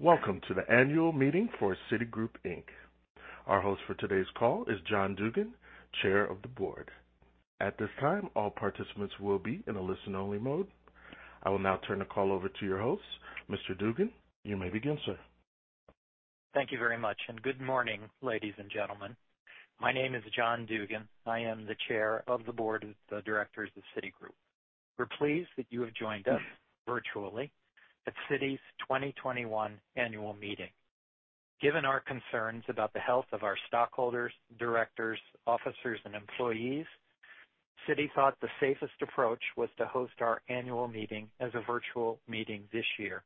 Welcome to the Annual Meeting for Citigroup Inc. Our host for today's call is John Dugan, Chair of the Board. At this time, all participants will be in a listen-only mode. I will now turn the call over to your host. Mr. Dugan, you may begin, sir. Thank you very much. Good morning, ladies and gentlemen. My name is John Dugan. I am the Chair of the Board of directors of Citigroup. We're pleased that you have joined us virtually at Citi's 2021 Annual Meeting. Given our concerns about the health of our stockholders, directors, officers, and employees, Citi thought the safest approach was to host our Annual Meeting as a virtual meeting this year.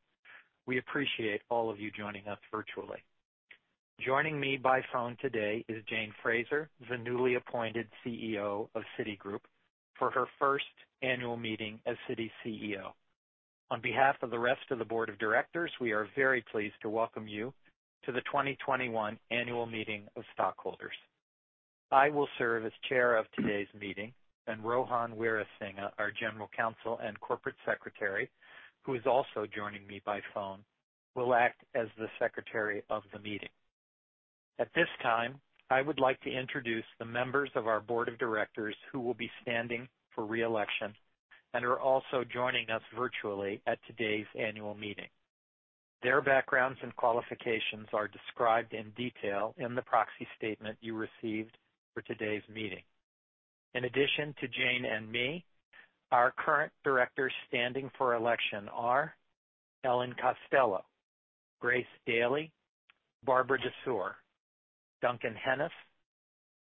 We appreciate all of you joining us virtually. Joining me by phone today is Jane Fraser, the newly appointed CEO of Citigroup, for her first Annual Meeting as Citi CEO. On behalf of the rest of the Board of directors, we are very pleased to welcome you to the 2021 Annual Meeting of stockholders. I will serve as Chair of today's meeting, and Rohan Weerasinghe, our General Counsel and Corporate Secretary, who is also joining me by phone, will act as the secretary of the meeting. At this time, I would like to introduce the members of our Board of directors who will be standing for re-election and are also joining us virtually at today's Annual Meeting. Their backgrounds and qualifications are described in detail in the Proxy Statement you received for today's meeting. In addition to Jane and me, our current directors standing for election are Ellen Costello, Grace Dailey, Barbara Desoer, Duncan Hennes,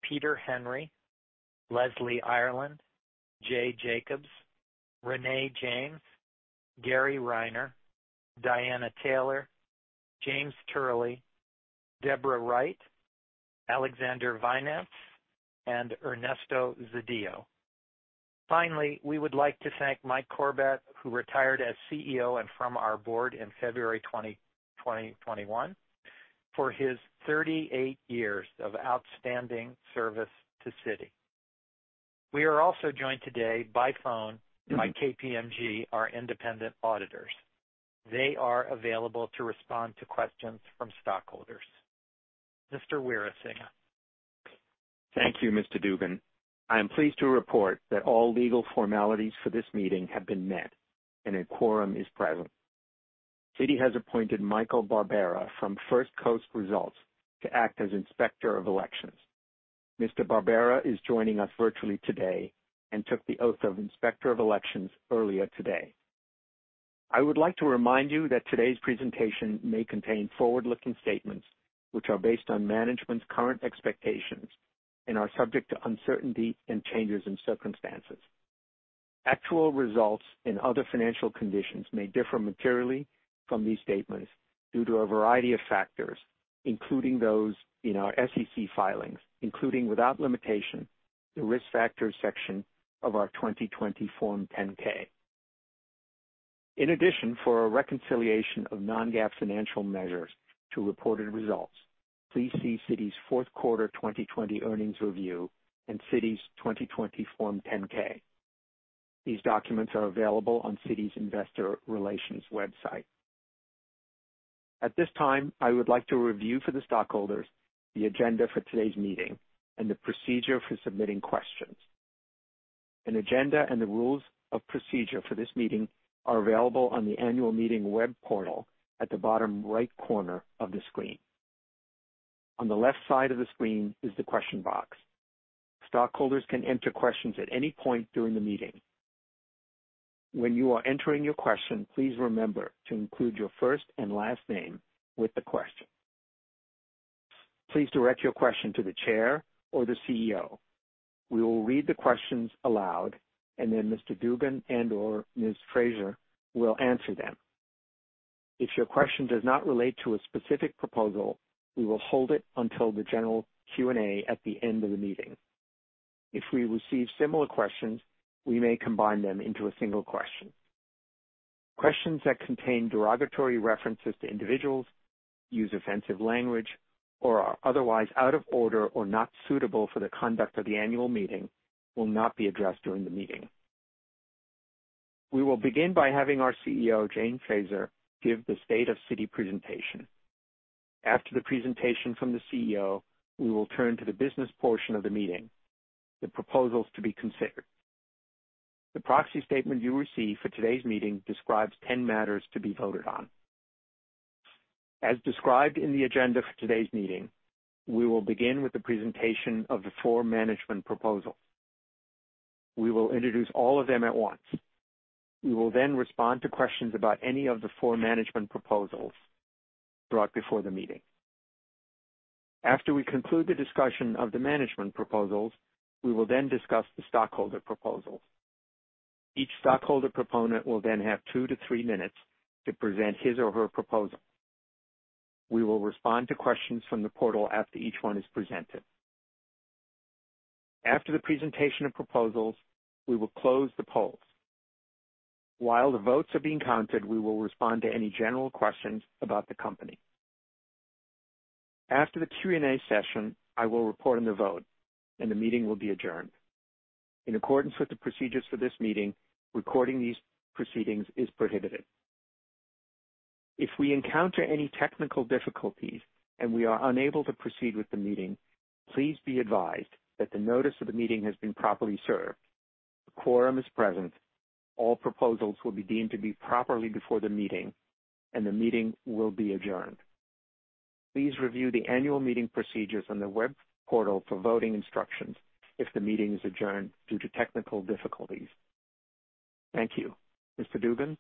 Peter Henry, Leslie Ireland, Jay Jacobs, Renée James, Gary Reiner, Diana Taylor, James Turley, Deborah Wright, Alexander Wynaendts, and Ernesto Zedillo. Finally, we would like to thank Mike Corbat, who retired as CEO and from our Board in February 2021, for his 38 years of outstanding service to Citi. We are also joined today by phone by KPMG, our independent auditors. They are available to respond to questions from stockholders. Mr. Weerasinghe. Thank you, Mr. Dugan. I am pleased to report that all legal formalities for this meeting have been met, and a quorum is present. Citi has appointed Michael Barbera from First Coast Results to act as Inspector of Elections. Mr. Barbera is joining us virtually today and took the oath of Inspector of Elections earlier today. I would like to remind you that today's presentation may contain forward-looking statements, which are based on management's current expectations and are subject to uncertainty and changes in circumstances. Actual results and other financial conditions may differ materially from these statements due to a variety of factors, including those in our SEC filings, including, without limitation, the Risk Factors section of our 2020 Form 10-K. In addition, for a reconciliation of non-GAAP financial measures to reported results, please see Citi's fourth quarter 2020 earnings review and Citi's 2020 Form 10-K. These documents are available on Citi's Investor Relations website. At this time, I would like to review for the stockholders the agenda for today's meeting and the procedure for submitting questions. An agenda and the rules of procedure for this meeting are available on the Annual Meeting web portal at the bottom right corner of the screen. On the left side of the screen is the question box. Stockholders can enter questions at any point during the meeting. When you are entering your question, please remember to include your first and last name with the question. Please direct your question to the Chair or the CEO. We will read the questions aloud. Then Mr. Dugan and/or Ms. Fraser will answer them. If your question does not relate to a specific proposal, we will hold it until the general Q&A at the end of the meeting. If we receive similar questions, we may combine them into a single question. Questions that contain derogatory references to individuals, use offensive language, or are otherwise out of order or not suitable for the conduct of the Annual Meeting will not be addressed during the meeting. We will begin by having our CEO, Jane Fraser, give the state of Citi presentation. After the presentation from the CEO, we will turn to the business portion of the meeting, the proposals to be considered. The Proxy Statement you received for today's meeting describes 10 matters to be voted on. As described in the agenda for today's meeting, we will begin with the presentation of the four management proposals. We will introduce all of them at once. We will then respond to questions about any of the four management proposals brought before the meeting. After we conclude the discussion of the management proposals, we will discuss the stockholder proposals. Each stockholder proponent will have two to three minutes to present his or her proposal. We will respond to questions from the portal after each one is presented. After the presentation of proposals, we will close the polls. While the votes are being counted, we will respond to any general questions about the company. After the Q&A session, I will report on the vote, the meeting will be adjourned. In accordance with the procedures for this meeting, recording these proceedings is prohibited. If we encounter any technical difficulties and we are unable to proceed with the meeting, please be advised that the notice of the meeting has been properly served. A quorum is present. All proposals will be deemed to be properly before the meeting, the meeting will be adjourned. Please review the Annual Meeting procedures on the web portal for voting instructions if the meeting is adjourned due to technical difficulties. Thank you. Mr. Dugan?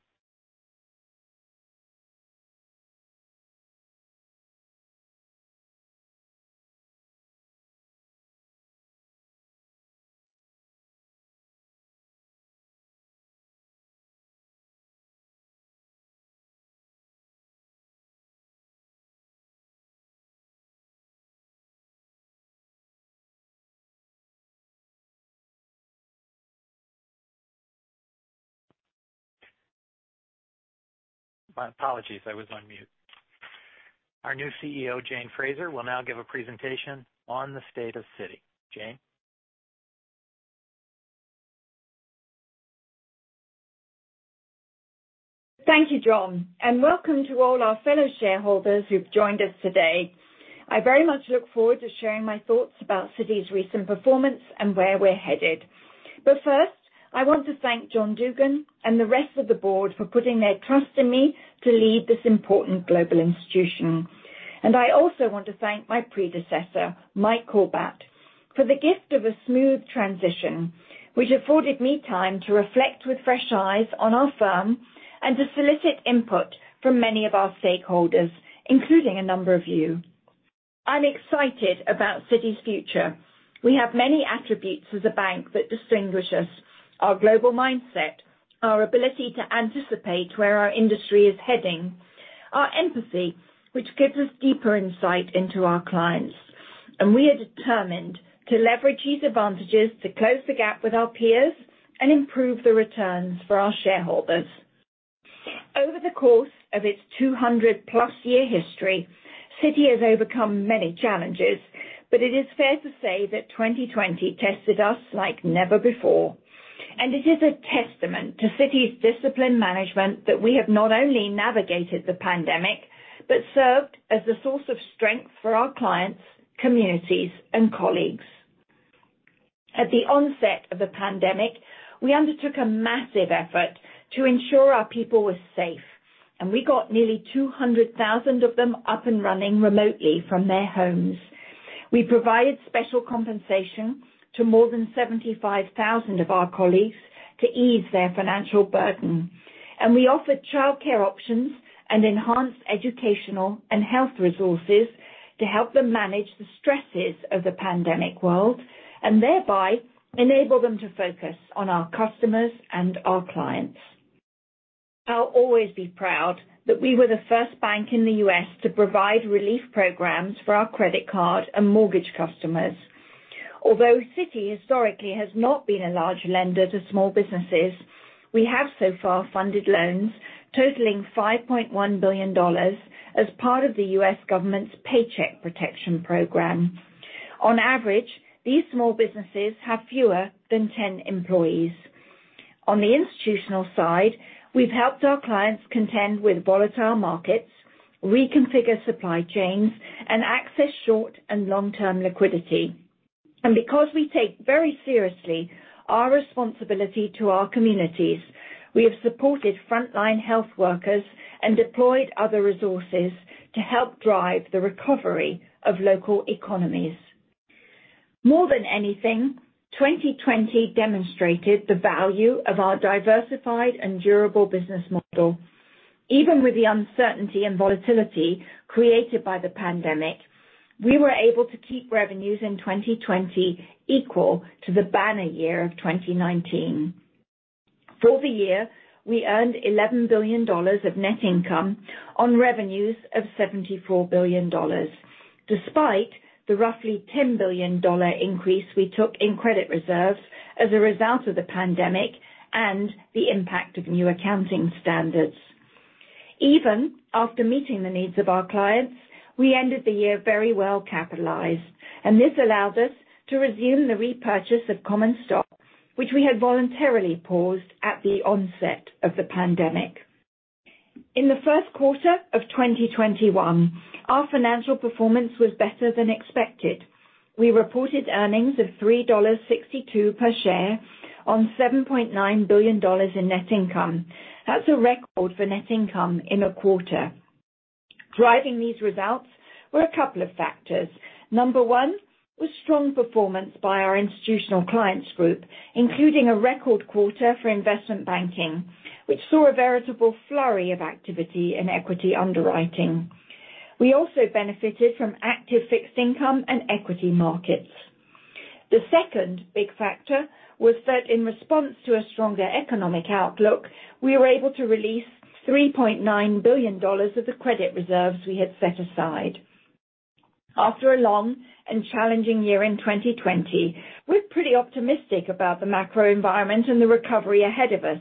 My apologies. I was on mute. Our new CEO, Jane Fraser, will now give a presentation on the state of Citi. Jane? Thank you, John, and welcome to all our fellow shareholders who've joined us today. I very much look forward to sharing my thoughts about Citi's recent performance and where we're headed. First, I want to thank John Dugan and the rest of the Board for putting their trust in me to lead this important global institution. I also want to thank my predecessor, Mike Corbat, for the gift of a smooth transition, which afforded me time to reflect with fresh eyes on our firm and to solicit input from many of our stakeholders, including a number of you. I'm excited about Citi's future. We have many attributes as a bank that distinguish us. Our global mindset, our ability to anticipate where our industry is heading, our empathy, which gives us deeper insight into our clients. We are determined to leverage these advantages to close the gap with our peers and improve the returns for our shareholders. Over the course of its 200+ year history, Citi has overcome many challenges. It is fair to say that 2020 tested us like never before. It is a testament to Citi's discipline management that we have not only navigated the pandemic but served as a source of strength for our clients, communities, and colleagues. At the onset of the pandemic, we undertook a massive effort to ensure our people were safe, and we got nearly 200,000 of them up and running remotely from their homes. We provided special compensation to more than 75,000 of our colleagues to ease their financial burden. We offered childcare options and enhanced educational and health resources to help them manage the stresses of the pandemic world, and thereby enable them to focus on our customers and our clients. I'll always be proud that we were the first bank in the U.S. to provide relief programs for our credit card and mortgage customers. Although Citi historically has not been a large lender to small businesses, we have so far funded loans totaling $5.1 billion as part of the U.S. government's Paycheck Protection Program. On average, these small businesses have fewer than 10 employees. On the institutional side, we've helped our clients contend with volatile markets, reconfigure supply chains, and access short and long-term liquidity. Because we take very seriously our responsibility to our communities, we have supported frontline health workers and deployed other resources to help drive the recovery of local economies. More than anything, 2020 demonstrated the value of our diversified and durable business model. Even with the uncertainty and volatility created by the pandemic, we were able to keep revenues in 2020 equal to the banner year of 2019. For the year, we earned $11 billion of net income on revenues of $74 billion, despite the roughly $10 billion increase we took in credit reserves as a result of the pandemic and the impact of new accounting standards. Even after meeting the needs of our clients, we ended the year very well-capitalized, and this allowed us to resume the repurchase of common stock, which we had voluntarily paused at the onset of the pandemic. In the first quarter of 2021, our financial performance was better than expected. We reported earnings of $3.62 per share on $7.9 billion in net income. That's a record for net income in a quarter. Driving these results were a couple of factors. Number one was strong performance by our Institutional Clients Group, including a record quarter for investment banking, which saw a veritable flurry of activity in equity underwriting. We also benefited from active fixed income and equity markets. The second big factor was that in response to a stronger economic outlook, we were able to release $3.9 billion of the credit reserves we had set aside. After a long and challenging year in 2020, we're pretty optimistic about the macro environment and the recovery ahead of us.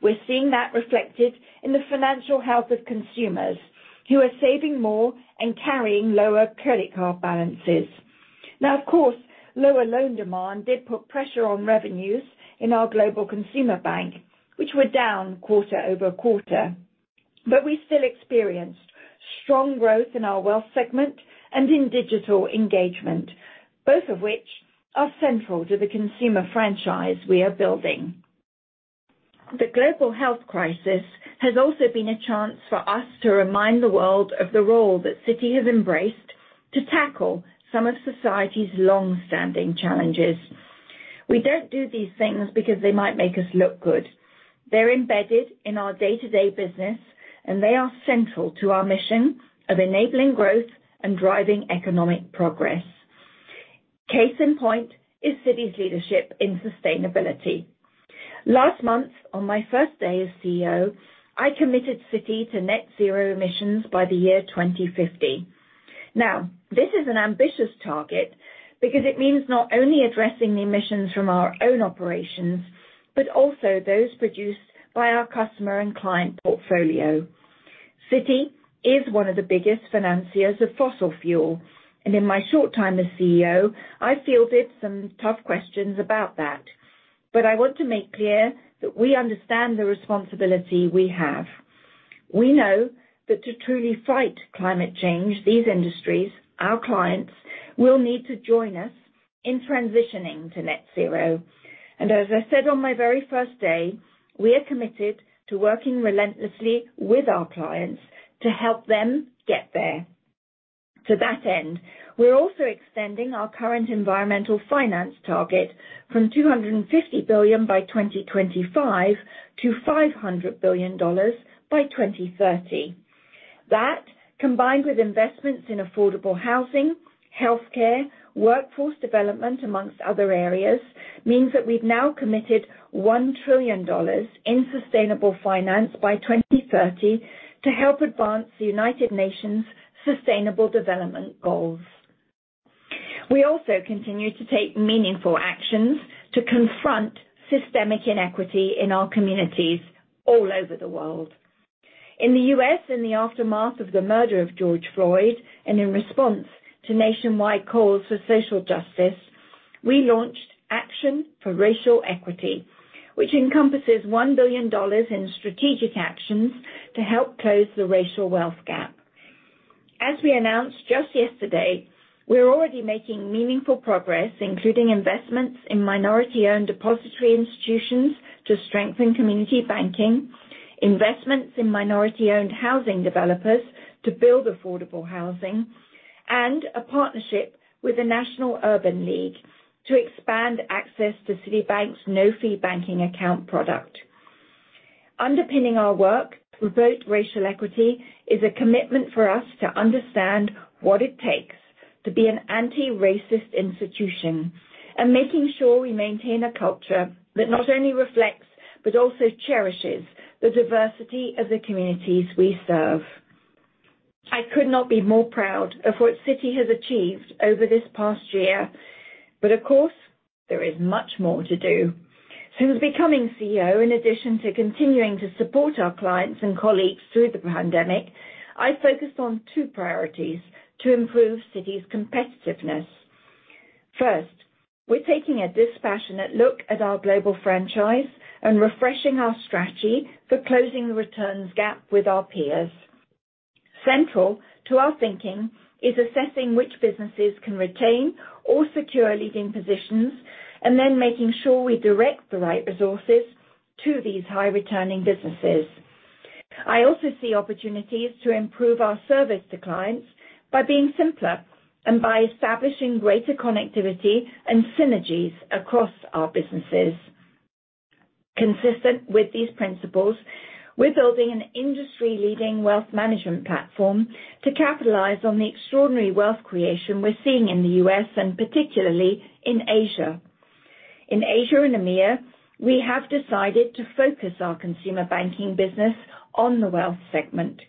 We're seeing that reflected in the financial health of consumers who are saving more and carrying lower credit card balances. Now, of course, lower loan demand did put pressure on revenues in our Global Consumer Bank, which were down quarter-over-quarter. We still experienced strong growth in our Wealth segment and in digital engagement, both of which are central to the consumer franchise we are building. The global health crisis has also been a chance for us to remind the world of the role that Citi has embraced to tackle some of society's longstanding challenges. We don't do these things because they might make us look good. They're embedded in our day-to-day business, and they are central to our mission of enabling growth and driving economic progress. Case in point is Citi's leadership in sustainability. Last month, on my first day as CEO, I committed Citi to net zero emissions by the year 2050. This is an ambitious target because it means not only addressing the emissions from our own operations, but also those produced by our customer and client portfolio. Citi is one of the biggest financiers of fossil fuel, and in my short time as CEO, I fielded some tough questions about that. I want to make clear that we understand the responsibility we have. We know that to truly fight climate change, these industries, our clients, will need to join us in transitioning to net zero. As I said on my very first day, we are committed to working relentlessly with our clients to help them get there. To that end, we're also extending our current environmental finance target from $250 billion by 2025 to $500 billion by 2030. That, combined with investments in affordable housing, healthcare, workforce development, amongst other areas, means that we've now committed $1 trillion in sustainable finance by 2030 to help advance the United Nations Sustainable Development Goals. We also continue to take meaningful actions to confront systemic inequity in our communities all over the world. In the U.S., in the aftermath of the murder of George Floyd, and in response to nationwide calls for social justice, we launched Action for Racial Equity, which encompasses $1 billion in strategic actions to help close the racial wealth gap. As we announced just yesterday, we're already making meaningful progress, including investments in minority-owned depository institutions to strengthen community banking, investments in minority-owned housing developers to build affordable housing, and a partnership with the National Urban League to expand access to Citibank's no-fee banking account product. Underpinning our work, both racial equity is a commitment for us to understand what it takes to be an anti-racist institution and making sure we maintain a culture that not only reflects but also cherishes the diversity of the communities we serve. I could not be more proud of what Citi has achieved over this past year, of course, there is much more to do. Since becoming CEO, in addition to continuing to support our clients and colleagues through the pandemic, I focused on two priorities to improve Citi's competitiveness. First, we're taking a dispassionate look at our global franchise and refreshing our strategy for closing the returns gap with our peers. Central to our thinking is assessing which businesses can retain or secure leading positions, then making sure we direct the right resources to these high-returning businesses. I also see opportunities to improve our service to clients by being simpler and by establishing greater connectivity and synergies across our businesses. Consistent with these principles, we're building an industry-leading Wealth Management platform to capitalize on the extraordinary wealth creation we're seeing in the U.S. and particularly in Asia. In Asia and EMEA, we have decided to focus our consumer banking business on the Wealth segment.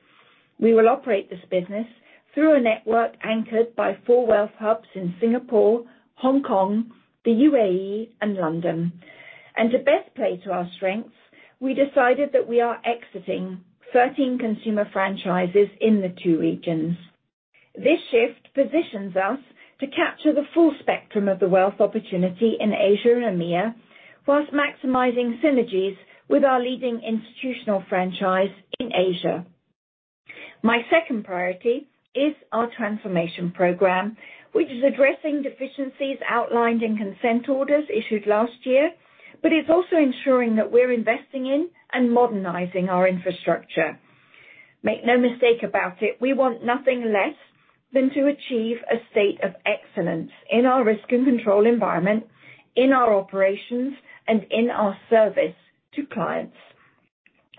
We will operate this business through a network anchored by four wealth hubs in Singapore, Hong Kong, the U.A.E, and London. To best play to our strengths, we decided that we are exiting 13 consumer franchises in the two regions. This shift positions us to capture the full spectrum of the wealth opportunity in Asia and EMEA, whilst maximizing synergies with our leading institutional franchise in Asia. My second priority is our transformation program, which is addressing deficiencies outlined in consent orders issued last year, but it's also ensuring that we're investing in and modernizing our infrastructure. Make no mistake about it, we want nothing less than to achieve a state of excellence in our risk and control environment, in our operations, and in our service to clients.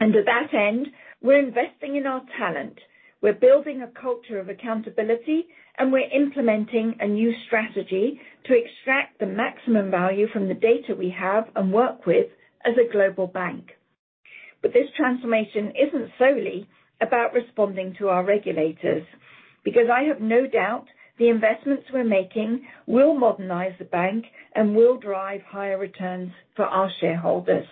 To that end, we're investing in our talent. We're building a culture of accountability, and we're implementing a new strategy to extract the maximum value from the data we have and work with as a global bank. This transformation isn't solely about responding to our regulators, because I have no doubt the investments we're making will modernize the bank and will drive higher returns for our shareholders.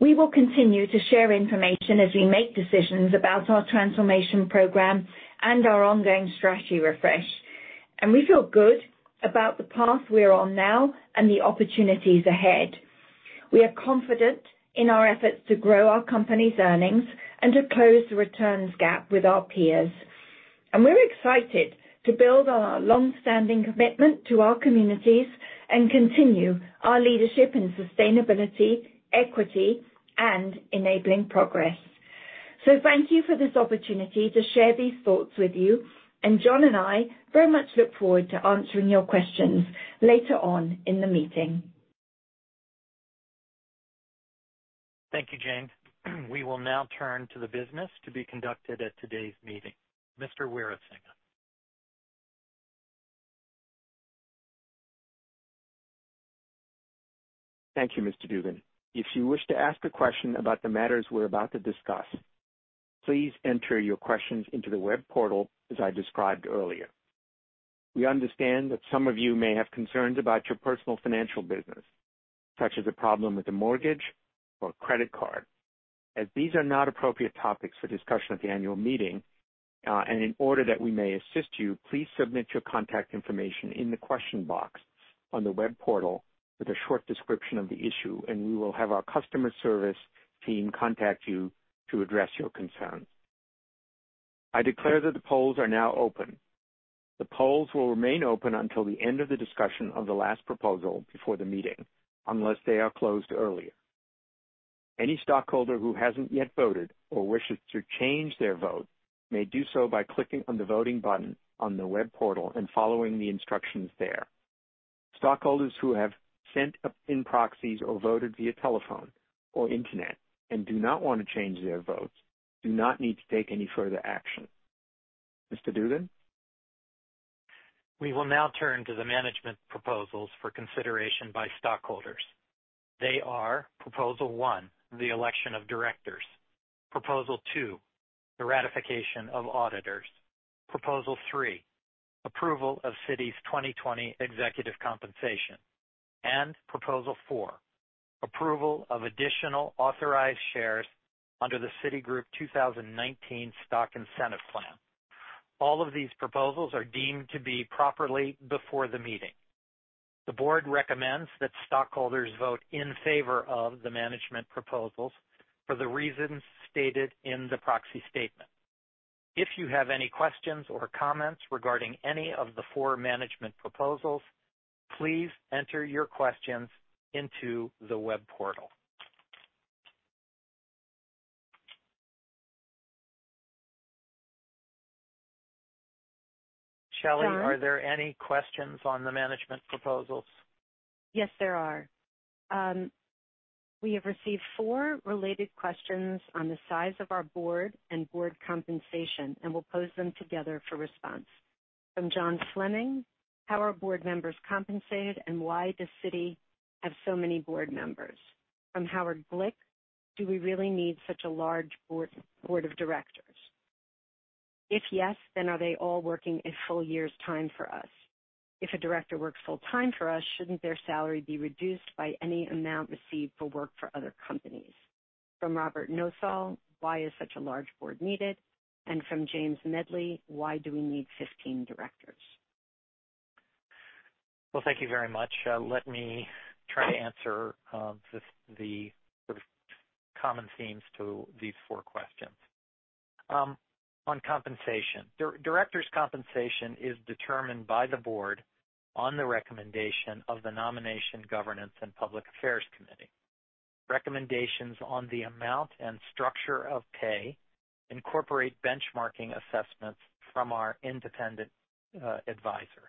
We will continue to share information as we make decisions about our transformation program and our ongoing strategy refresh. We feel good about the path we are on now and the opportunities ahead. We are confident in our efforts to grow our company's earnings and to close the returns gap with our peers. We're excited to build on our longstanding commitment to our communities and continue our leadership in sustainability, equity, and enabling progress. Thank you for this opportunity to share these thoughts with you, and John and I very much look forward to answering your questions later on in the meeting. Thank you, Jane. We will now turn to the business to be conducted at today's meeting. Mr. Weerasinghe. Thank you, Mr. Dugan. If you wish to ask a question about the matters we're about to discuss, please enter your questions into the web portal, as I described earlier. We understand that some of you may have concerns about your personal financial business, such as a problem with a mortgage or credit card. As these are not appropriate topics for discussion at the Annual Meeting, and in order that we may assist you, please submit your contact information in the question box on the web portal with a short description of the issue, and we will have our customer service team contact you to address your concerns. I declare that the polls are now open. The polls will remain open until the end of the discussion of the last proposal before the meeting, unless they are closed earlier. Any stockholder who hasn't yet voted or wishes to change their vote may do so by clicking on the voting button on the web portal and following the instructions there. Stockholders who have sent in proxies or voted via telephone or internet and do not want to change their votes do not need to take any further action. Mr. Dugan. We will now turn to the management proposals for consideration by stockholders. They are Proposal 1, the election of directors. Proposal 2, the ratification of auditors. Proposal 3, approval of Citi's 2020 executive compensation. Proposal 4, approval of additional authorized shares under the Citigroup 2019 Stock Incentive Plan. All of these proposals are deemed to be properly before the meeting. The Board recommends that stockholders vote in favor of the management proposals for the reasons stated in the Proxy Statement. If you have any questions or comments regarding any of the four management proposals, please enter your questions into the web portal. [Shelley], are there any questions on the management proposals? Yes, there are. We have received four related questions on the size of our Board and Board compensation, we'll pose them together for response. From [John Fleming], "How are Board members compensated, and why does Citi have so many Board members?" From [Howard Glick], "Do we really need such a large Board of directors? If yes, then are they all working a full year's time for us? If a Director works full-time for us, shouldn't their salary be reduced by any amount received for work for other companies?" From [Robert Nosal], "Why is such a large Board needed?" From [James Medley], "Why do we need 15 directors? Well, thank you very much. Let me try to answer the sort of common themes to these four questions. On compensation. Director's compensation is determined by the Board on the recommendation of the Nomination, Governance and Public Affairs Committee. Recommendations on the amount and structure of pay incorporate benchmarking assessments from our independent advisor.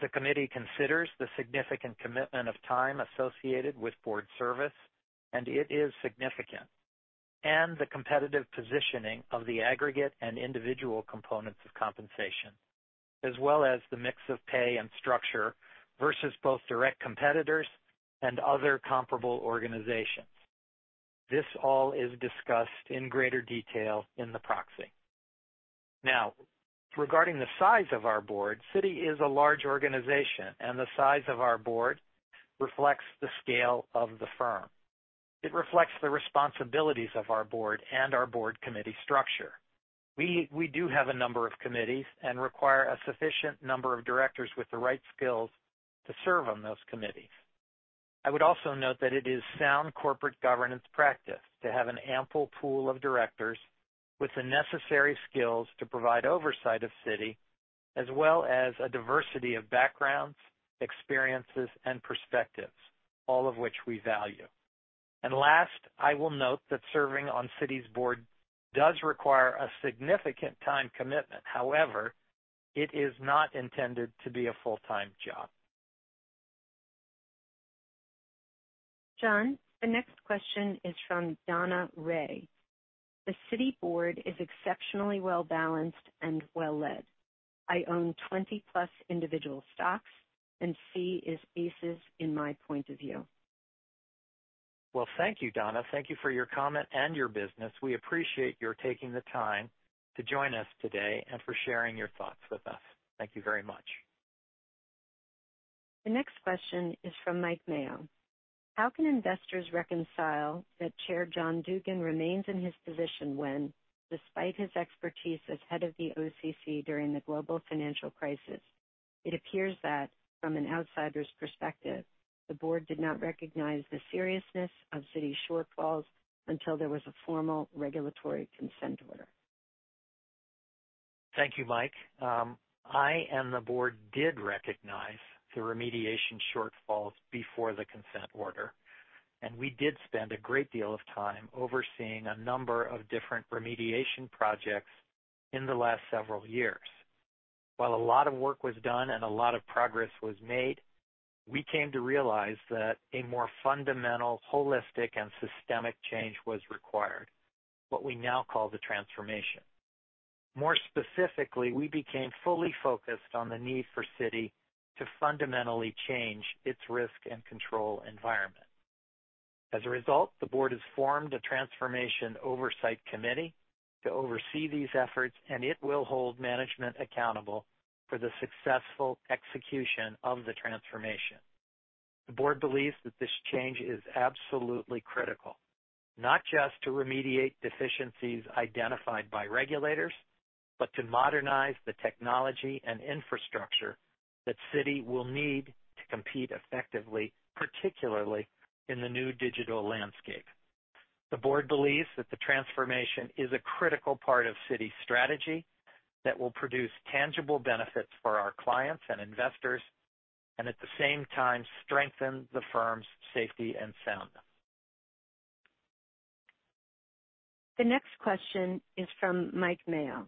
The committee considers the significant commitment of time associated with Board service, and it is significant. The competitive positioning of the aggregate and individual components of compensation, as well as the mix of pay and structure versus both direct competitors and other comparable organizations. This all is discussed in greater detail in the proxy. Regarding the size of our Board, Citi is a large organization, and the size of our Board reflects the scale of the firm. It reflects the responsibilities of our Board and our Board committee structure. We do have a number of committees and require a sufficient number of directors with the right skills to serve on those committees. I would also note that it is sound corporate governance practice to have an ample pool of directors with the necessary skills to provide oversight of Citi, as well as a diversity of backgrounds, experiences, and perspectives, all of which we value. Last, I will note that serving on Citi's Board does require a significant time commitment. However, it is not intended to be a full-time job. John, the next question is from [Donna Ray]. "The Citi Board is exceptionally well-balanced and well-led. I own 20+ individual stocks, and C is aces in my point of view. Thank you, Donna. Thank you for your comment and your business. We appreciate your taking the time to join us today and for sharing your thoughts with us. Thank you very much. The next question is from Mike Mayo. How can investors reconcile that Chair John Dugan remains in his position when, despite his expertise as Head of the OCC during the global financial crisis, it appears that, from an outsider's perspective, the Board did not recognize the seriousness of Citi's shortfalls until there was a formal regulatory consent order? Thank you, Mike. I and the Board did recognize the remediation shortfalls before the consent order, and we did spend a great deal of time overseeing a number of different remediation projects in the last several years. While a lot of work was done and a lot of progress was made, we came to realize that a more fundamental, holistic, and systemic change was required, what we now call the transformation. More specifically, we became fully focused on the need for Citi to fundamentally change its risk and control environment. As a result, the Board has formed a Transformation Oversight Committee to oversee these efforts, and it will hold management accountable for the successful execution of the transformation. The Board believes that this change is absolutely critical. Not just to remediate deficiencies identified by regulators, but to modernize the technology and infrastructure that Citi will need to compete effectively, particularly in the new digital landscape. The Board believes that the transformation is a critical part of Citi's strategy that will produce tangible benefits for our clients and investors, and at the same time, strengthen the firm's safety and soundness. The next question is from Mike Mayo.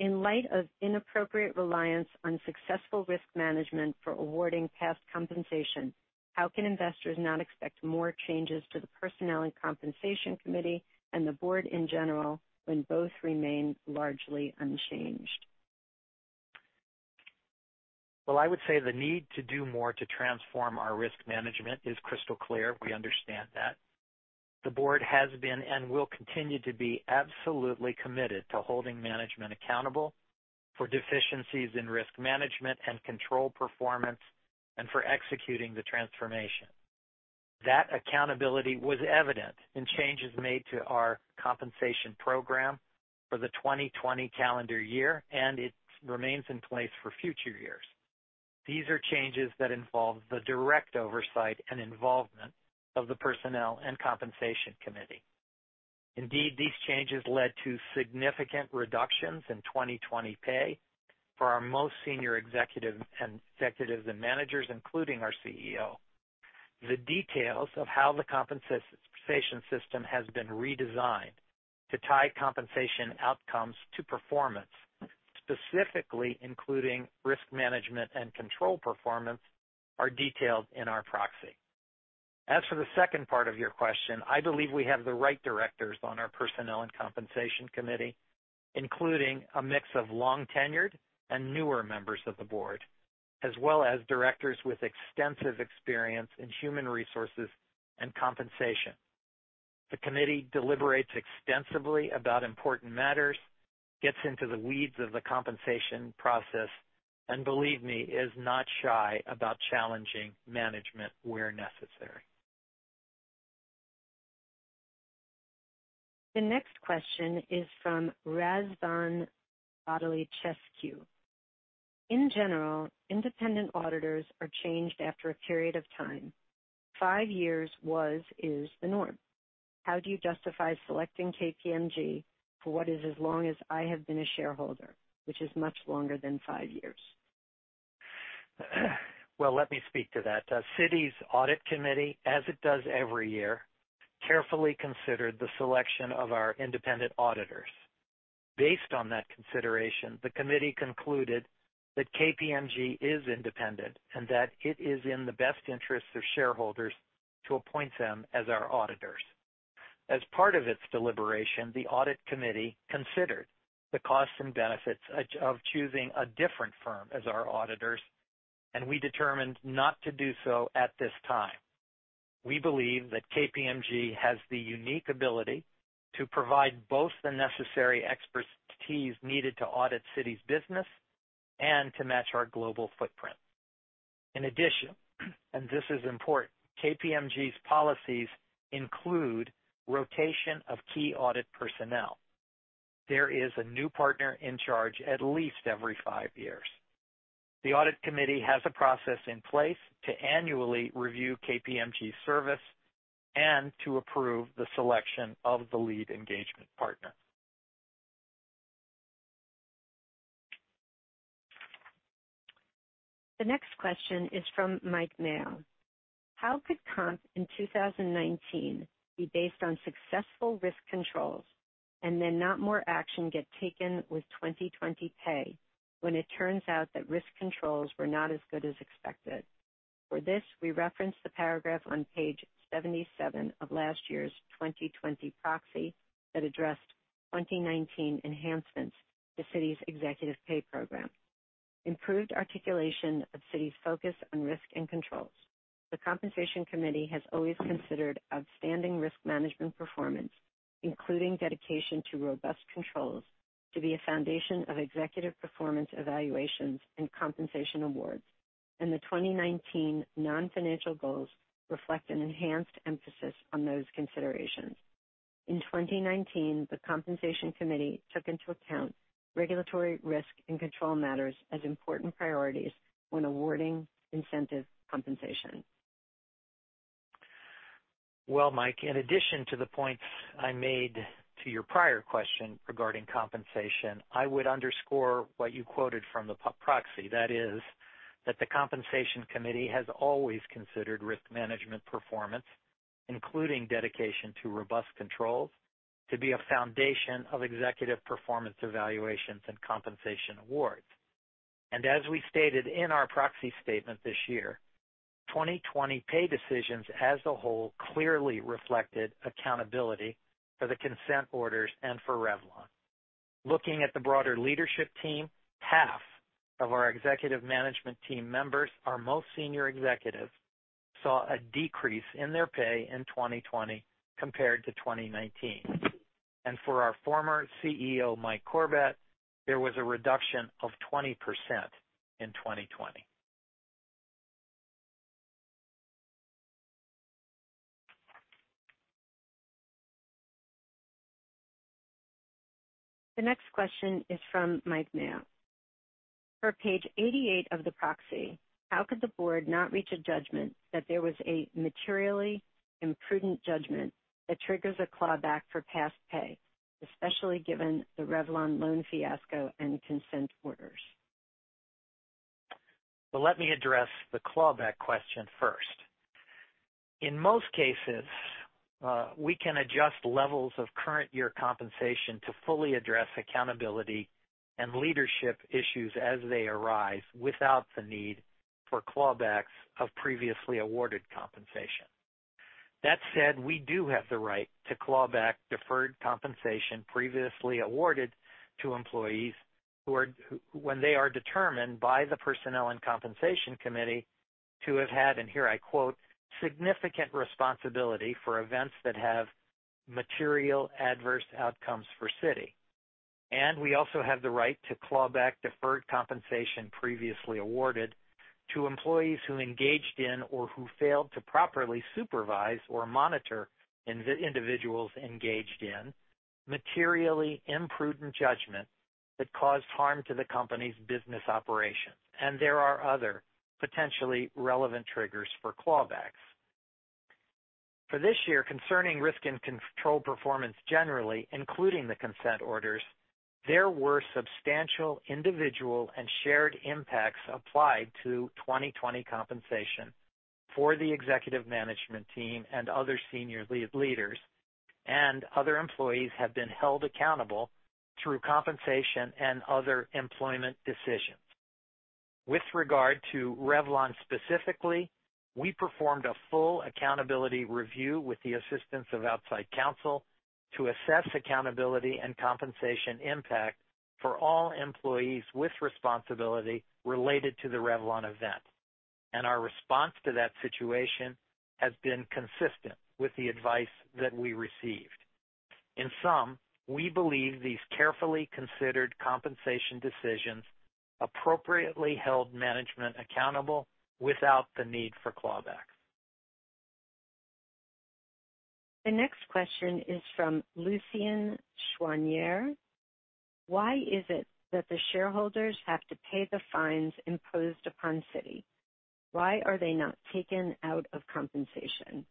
In light of inappropriate reliance on successful risk management for awarding past compensation, how can investors not expect more changes to the Personnel and Compensation Committee and the Board in general when both remain largely unchanged? Well, I would say the need to do more to transform our risk management is crystal clear. We understand that. The Board has been and will continue to be absolutely committed to holding management accountable for deficiencies in risk management and control performance and for executing the transformation. That accountability was evident in changes made to our compensation program for the 2020 calendar year, and it remains in place for future years. These are changes that involve the direct oversight and involvement of the Personnel and Compensation Committee. Indeed, these changes led to significant reductions in 2020 pay for our most senior executives and managers, including our CEO. The details of how the compensation system has been redesigned to tie compensation outcomes to performance, specifically including risk management and control performance, are detailed in our proxy. As for the second part of your question, I believe we have the right directors on our Personnel and Compensation Committee, including a mix of long-tenured and newer members of the Board, as well as directors with extensive experience in human resources and compensation. The committee deliberates extensively about important matters, gets into the weeds of the compensation process, and believe me, is not shy about challenging management where necessary. The next question is from [Razvan Balotescu]. In general, independent auditors are changed after a period of time. Five years was/is the norm. How do you justify selecting KPMG for what is as long as I have been a shareholder, which is much longer than five years? Well, let me speak to that. Citi's Audit Committee, as it does every year, carefully considered the selection of our independent auditors. Based on that consideration, the committee concluded that KPMG is independent and that it is in the best interest of shareholders to appoint them as our auditors. As part of its deliberation, the Audit Committee considered the costs and benefits of choosing a different firm as our auditors, we determined not to do so at this time. We believe that KPMG has the unique ability to provide both the necessary expertise needed to audit Citi's business and to match our global footprint. In addition, this is important, KPMG's policies include rotation of key audit personnel. There is a new partner in charge at least every five years. The Audit Committee has a process in place to annually review KPMG's service and to approve the selection of the lead engagement partner. The next question is from Mike Mayo. How could comp in 2019 be based on successful risk controls and then not more action get taken with 2020 pay when it turns out that risk controls were not as good as expected? For this, we reference the paragraph on page 77 of last year's 2020 proxy that addressed 2019 enhancements to Citi's executive pay program. Improved articulation of Citi's focus on risk and controls. The Compensation Committee has always considered outstanding risk management performance, including dedication to robust controls, to be a foundation of executive performance evaluations and compensation awards, and the 2019 non-financial goals reflect an enhanced emphasis on those considerations. In 2019, the Compensation Committee took into account regulatory risk and control matters as important priorities when awarding incentive compensation. Well, Mike, in addition to the points I made to your prior question regarding compensation, I would underscore what you quoted from the proxy. That is that the Compensation Committee has always considered risk management performance, including dedication to robust controls, to be a foundation of executive performance evaluations and compensation awards. As we stated in our Proxy Statement this year, 2020 pay decisions as a whole clearly reflected accountability for the consent orders and for Revlon. Looking at the broader leadership team, half of our executive management team members, our most senior executives, saw a decrease in their pay in 2020 compared to 2019. For our former CEO, Mike Corbat, there was a reduction of 20% in 2020. The next question is from Mike Mayo. Per page 88 of the proxy, how could the Board not reach a judgment that there was a materially imprudent judgment that triggers a clawback for past pay, especially given the Revlon loan fiasco and consent orders? Let me address the clawback question first. In most cases, we can adjust levels of current year compensation to fully address accountability and leadership issues as they arise without the need for clawbacks of previously awarded compensation. That said, we do have the right to clawback deferred compensation previously awarded to employees when they are determined by the Personnel and Compensation Committee to have had, and here I quote, "significant responsibility for events that have material adverse outcomes for Citi." We also have the right to clawback deferred compensation previously awarded to employees who engaged in, or who failed to properly supervise or monitor individuals engaged in materially imprudent judgment that caused harm to the company's business operations. There are other potentially relevant triggers for clawbacks. For this year, concerning risk and control performance generally, including the consent orders, there were substantial individual and shared impacts applied to 2020 compensation for the executive management team and other senior leaders. Other employees have been held accountable through compensation and other employment decisions. With regard to Revlon specifically, we performed a full accountability review with the assistance of outside counsel to assess accountability and compensation impact for all employees with responsibility related to the Revlon event. Our response to that situation has been consistent with the advice that we received. In sum, we believe these carefully considered compensation decisions appropriately held management accountable without the need for clawback. The next question is from [Lucian Choiniere]. Why is it that the shareholders have to pay the fines imposed upon Citi? Why are they not taken out of compensation?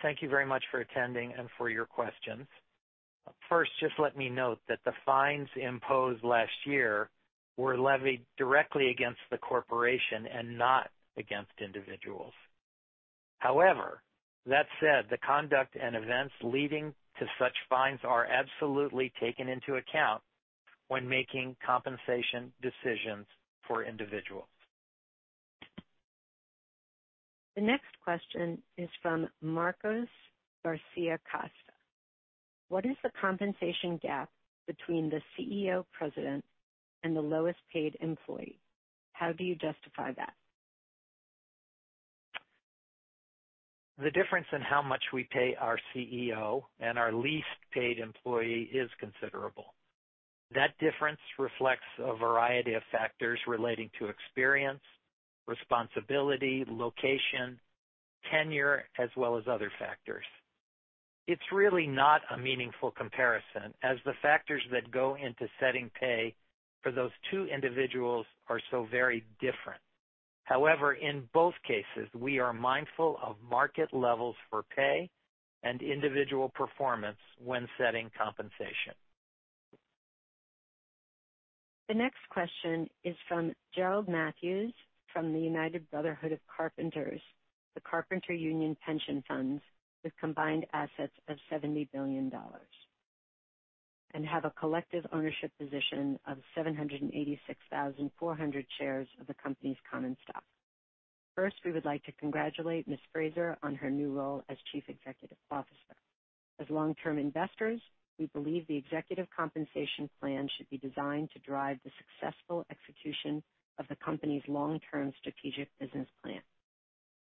Thank you very much for attending and for your questions. First, just let me note that the fines imposed last year were levied directly against the corporation and not against individuals. However, that said, the conduct and events leading to such fines are absolutely taken into account when making compensation decisions for individuals. The next question is from [Marcos Garcia Acosta]. What is the compensation gap between the CEO President and the lowest paid employee? How do you justify that? The difference in how much we pay our CEO and our least paid employee is considerable. That difference reflects a variety of factors relating to experience, responsibility, location, tenure, as well as other factors. It is really not a meaningful comparison, as the factors that go into setting pay for those two individuals are so very different. However, in both cases, we are mindful of market levels for pay and individual performance when setting compensation. The next question is from Gerald Matthews from the United Brotherhood of Carpenters, the carpenter union pension funds with combined assets of $70 billion and have a collective ownership position of 786,400 shares of the company's common stock. First, we would like to congratulate Ms. Fraser on her new role as Chief Executive Officer. As long-term investors, we believe the executive compensation plan should be designed to drive the successful execution of the company's long-term strategic business plan.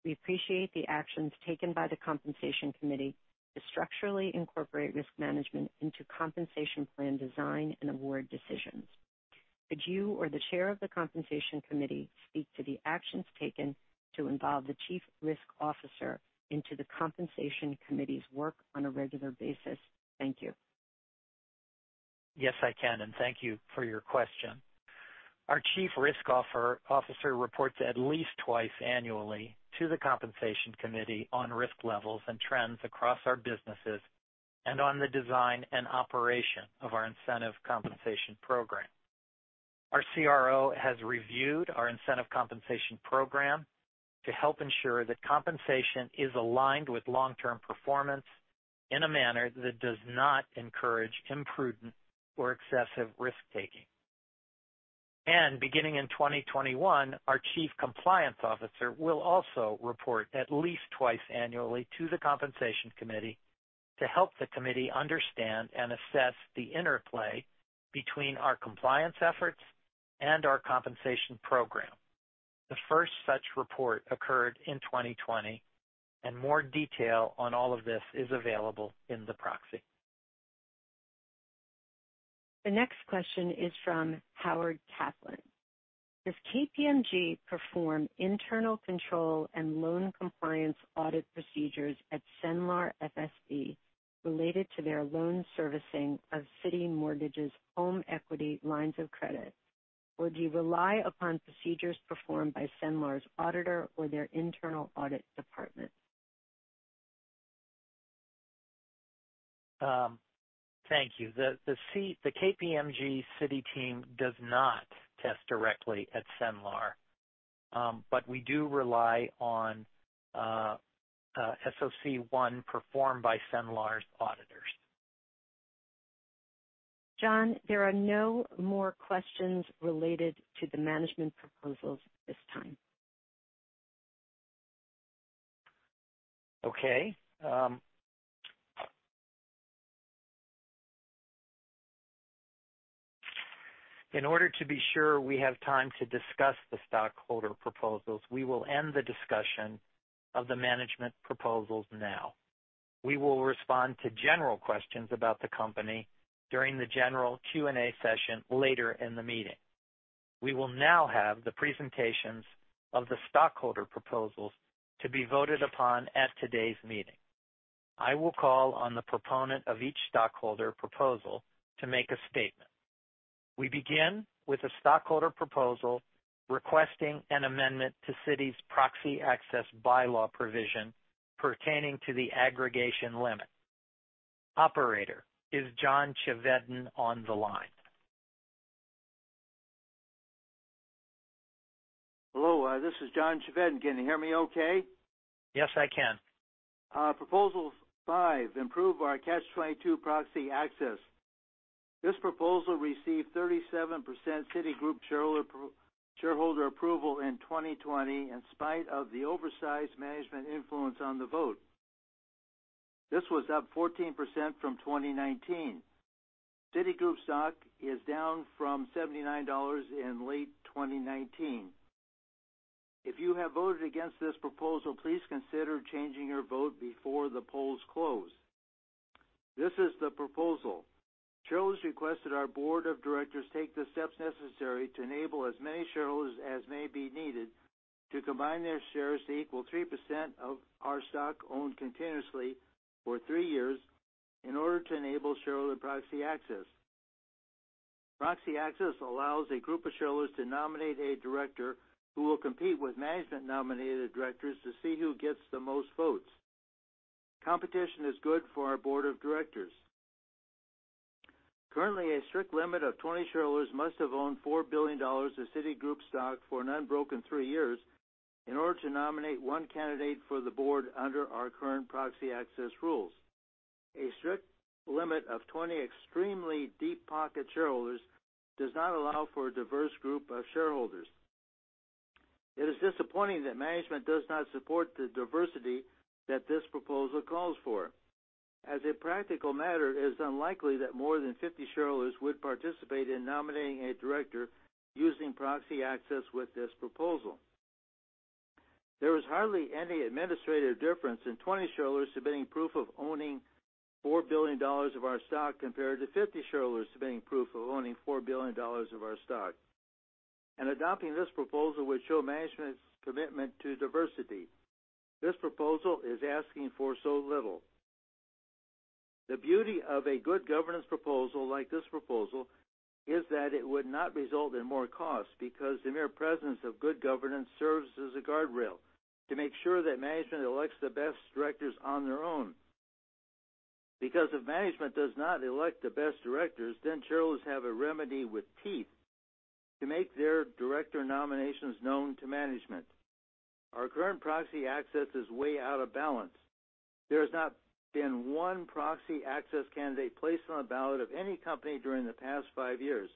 We appreciate the actions taken by the Compensation Committee to structurally incorporate risk management into compensation plan design and award decisions. Could you or the Chair of the Compensation Committee speak to the actions taken to involve the Chief Risk Officer into the Compensation Committee's work on a regular basis? Thank you. Yes, I can. Thank you for your question. Our Chief Risk Officer reports at least twice annually to the Compensation Committee on risk levels and trends across our businesses, and on the design and operation of our incentive compensation program. Our CRO has reviewed our incentive compensation program to help ensure that compensation is aligned with long-term performance in a manner that does not encourage imprudent or excessive risk-taking. Beginning in 2021, our Chief Compliance Officer will also report at least twice annually to the Compensation Committee to help the committee understand and assess the interplay between our compliance efforts and our compensation program. The first such report occurred in 2020, and more detail on all of this is available in the proxy. The next question is from Howard Kaplan. Does KPMG perform internal control and loan compliance audit procedures at Cenlar FSB related to their loan servicing of CitiMortgage's home equity lines of credit? Do you rely upon procedures performed by Cenlar's auditor or their internal audit department? Thank you. The KPMG Citi team does not test directly at Cenlar, but we do rely on SOC 1 performed by Cenlar's auditors. John, there are no more questions related to the management proposals at this time. Okay. In order to be sure we have time to discuss the stockholder proposals, we will end the discussion of the management proposals now. We will respond to general questions about the company during the general Q&A session later in the meeting. We will now have the presentations of the stockholder proposals to be voted upon at today's meeting. I will call on the proponent of each stockholder proposal to make a statement. We begin with a stockholder proposal requesting an amendment to Citi's proxy access bylaw provision pertaining to the aggregation limit. Operator, is John Chevedden on the line? Hello, this is John Chevedden. Can you hear me okay? Yes, I can. Proposal 5, improve our Catch-22 Proxy Access. This proposal received 37% Citigroup shareholder approval in 2020, in spite of the oversized management influence on the vote. This was up 14% from 2019. Citigroup stock is down from $79 in late 2019. If you have voted against this proposal, please consider changing your vote before the polls close. This is the proposal. Shareholders request that our Board of directors take the steps necessary to enable as many shareholders as may be needed to combine their shares to equal 3% of our stock owned continuously for three years in order to enable shareholder proxy access. Proxy access allows a group of shareholders to nominate a Director who will compete with management-nominated directors to see who gets the most votes. Competition is good for our Board of directors. Currently, a strict limit of 20 shareholders must have owned $4 billion of Citigroup stock for an unbroken three years in order to nominate one candidate for the Board under our current proxy access rules. A strict limit of 20 extremely deep-pocket shareholders does not allow for a diverse group of shareholders. It is disappointing that management does not support the diversity that this proposal calls for. As a practical matter, it is unlikely that more than 50 shareholders would participate in nominating a Director using proxy access with this proposal. There is hardly any administrative difference in 20 shareholders submitting proof of owning $4 billion of our stock compared to 50 shareholders submitting proof of owning $4 billion of our stock. Adopting this proposal would show management's commitment to diversity. This proposal is asking for so little. The beauty of a good governance proposal like this proposal is that it would not result in more cost because the mere presence of good governance serves as a guardrail to make sure that management elects the best directors on their own. Because if management does not elect the best directors, then shareholders have a remedy with teeth to make their Director nominations known to management. Our current proxy access is way out of balance. There has not been one proxy access candidate placed on a ballot of any company during the past five years.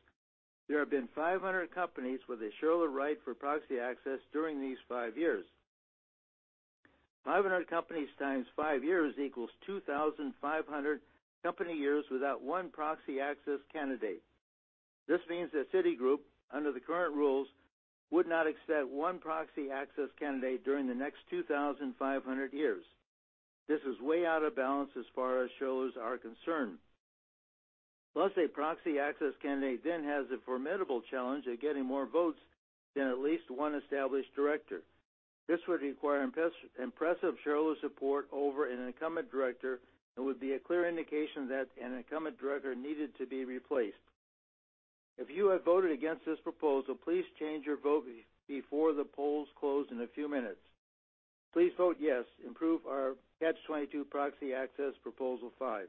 There have been 500 companies with a shareholder right for proxy access during these five years. 500 companies times five years equals 2,500 company years without one proxy access candidate. This means that Citigroup, under the current rules, would not accept one proxy access candidate during the next 2,500 years. This is way out of balance as far as shareholders are concerned. A proxy access candidate then has a formidable challenge of getting more votes than at least one established Director. This would require impressive shareholder support over an incumbent Director and would be a clear indication that an incumbent Director needed to be replaced. If you have voted against this proposal, please change your vote before the polls close in a few minutes. Please vote yes. Improve our Catch-22 proxy access, Proposal 5.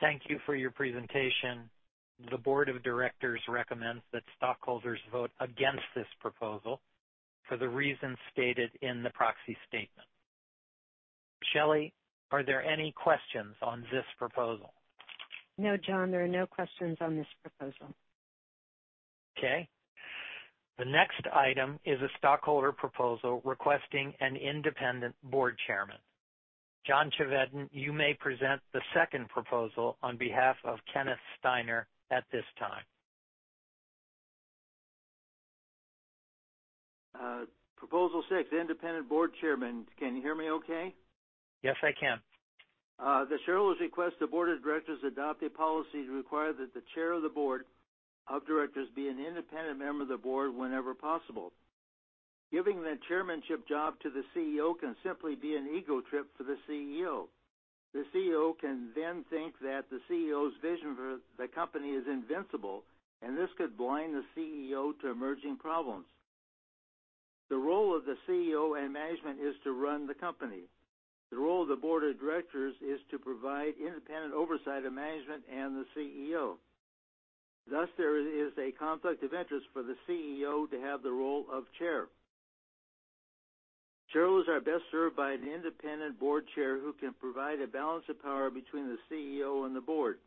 Thank you for your presentation. The Board of directors recommends that stockholders vote against this proposal for the reasons stated in the Proxy Statement. [Shelley], are there any questions on this proposal? No, John, there are no questions on this proposal. The next item is a stockholder proposal requesting an Independent Board Chairman. John Chevedden, you may present the second proposal on behalf of Kenneth Steiner at this time. Proposal 6, Independent Board Chairman. Can you hear me okay? Yes, I can. The shareholders request the Board of directors adopt a policy to require that the Chair of the Board of directors be an independent member of the Board whenever possible. Giving the Chairmanship job to the CEO can simply be an ego trip for the CEO. The CEO can think that the CEO's vision for the company is invincible, and this could blind the CEO to emerging problems. The role of the CEO and management is to run the company. The role of the Board of directors is to provide independent oversight of management and the CEO. Thus, there is a conflict of interest for the CEO to have the role of Chair. Shareholders are best served by an Independent Board Chair who can provide a balance of power between the CEO and the Board.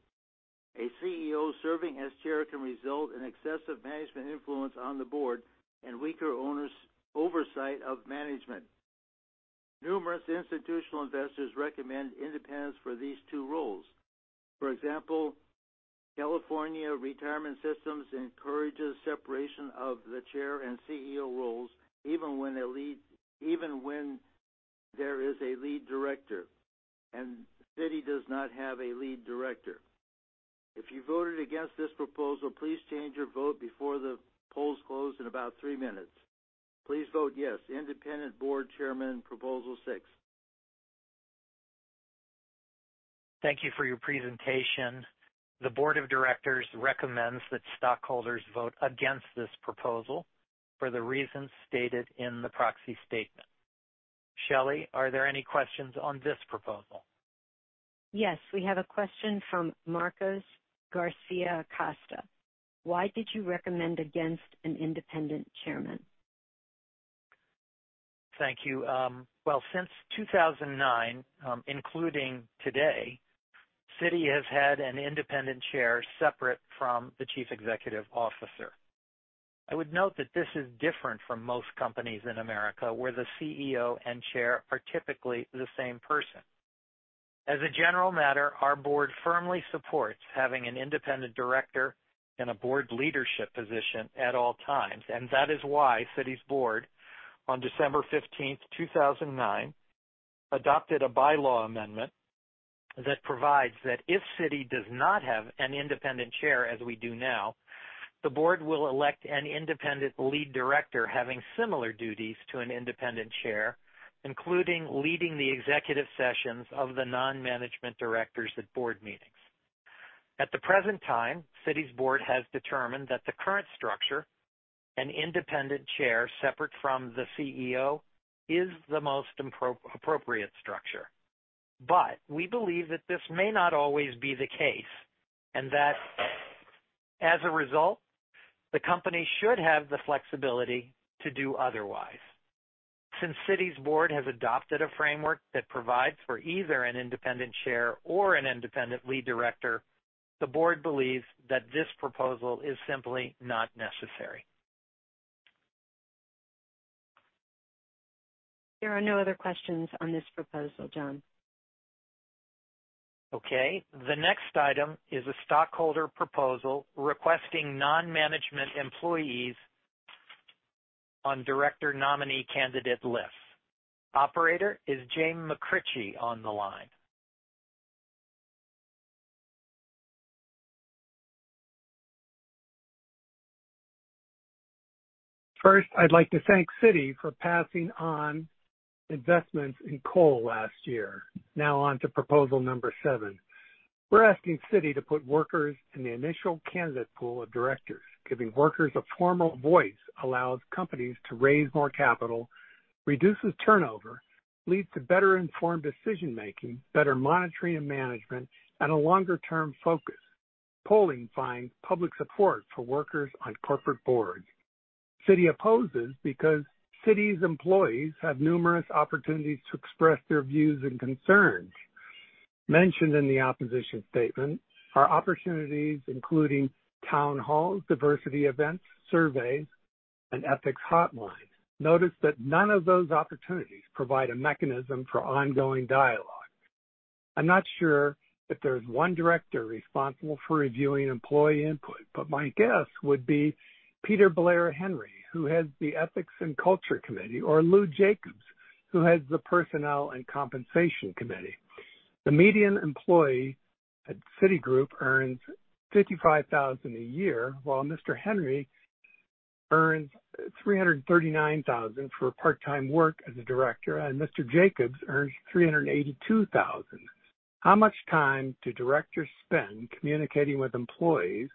A CEO serving as Chair can result in excessive management influence on the Board and weaker oversight of management. Numerous institutional investors recommend independence for these two roles. For example, California Retirement System encourages separation of the Chair and CEO roles even when there is a lead Director, and Citi does not have a lead Director. If you voted against this proposal, please change your vote before the polls close in about three minutes. Please vote yes. Independent Board Chairman, Proposal 6. Thank you for your presentation. The Board of directors recommends that stockholders vote against this proposal for the reasons stated in the Proxy Statement. [Shelley], are there any questions on this proposal? Yes, we have a question from [Marcos Garcia Acosta]. Why did you recommend against an Independent Chairman? Thank you. Well, since 2009, including today, Citi has had an Independent Chair separate from the Chief Executive Officer. I would note that this is different from most companies in America, where the CEO and Chair are typically the same person. As a general matter, our Board firmly supports having an Independent Director in a Board leadership position at all times, and that is why Citi's Board, on December 15th, 2009, adopted a bylaw amendment that provides that if Citi does not have an Independent Chair, as we do now, the Board will elect an Independent Lead Director having similar duties to an Independent Chair, including leading the executive sessions of the non-management directors at Board meetings. At the present time, Citi's Board has determined that the current structure, an Independent Chair separate from the CEO, is the most appropriate structure. We believe that this may not always be the case, and that as a result, the company should have the flexibility to do otherwise. Citi's Board has adopted a framework that provides for either an Independent Chair or an Independent Lead Director, the Board believes that this proposal is simply not necessary. There are no other questions on this proposal, John. Okay. The next item is a stockholder proposal requesting non-management employees on Director nominee candidate lists. Operator, is Jim McRitchie on the line? I'd like to thank Citi for passing on investments in coal last year. On to Proposal No. 7. We're asking Citi to put workers in the initial candidate pool of directors. Giving workers a formal voice allows companies to raise more capital, reduces turnover, leads to better informed decision-making, better monitoring and management, and a longer term focus. Polling finds public support for workers on corporate boards. Citi opposes because Citi's employees have numerous opportunities to express their views and concerns. Mentioned in the opposition statement are opportunities including town halls, diversity events, surveys, and ethics hotline. Notice that none of those opportunities provide a mechanism for ongoing dialogue. I'm not sure if there's one Director responsible for reviewing employee input, but my guess would be Peter Blair Henry, who heads the Ethics and Culture Committee, or Lew Jacobs, who heads the Personnel and Compensation Committee. The median employee at Citigroup earns $55,000 a year, while Mr. Henry earns $339,000 for part-time work as a Director, and Mr. Jacobs earns $382,000. How much time do directors spend communicating with employees,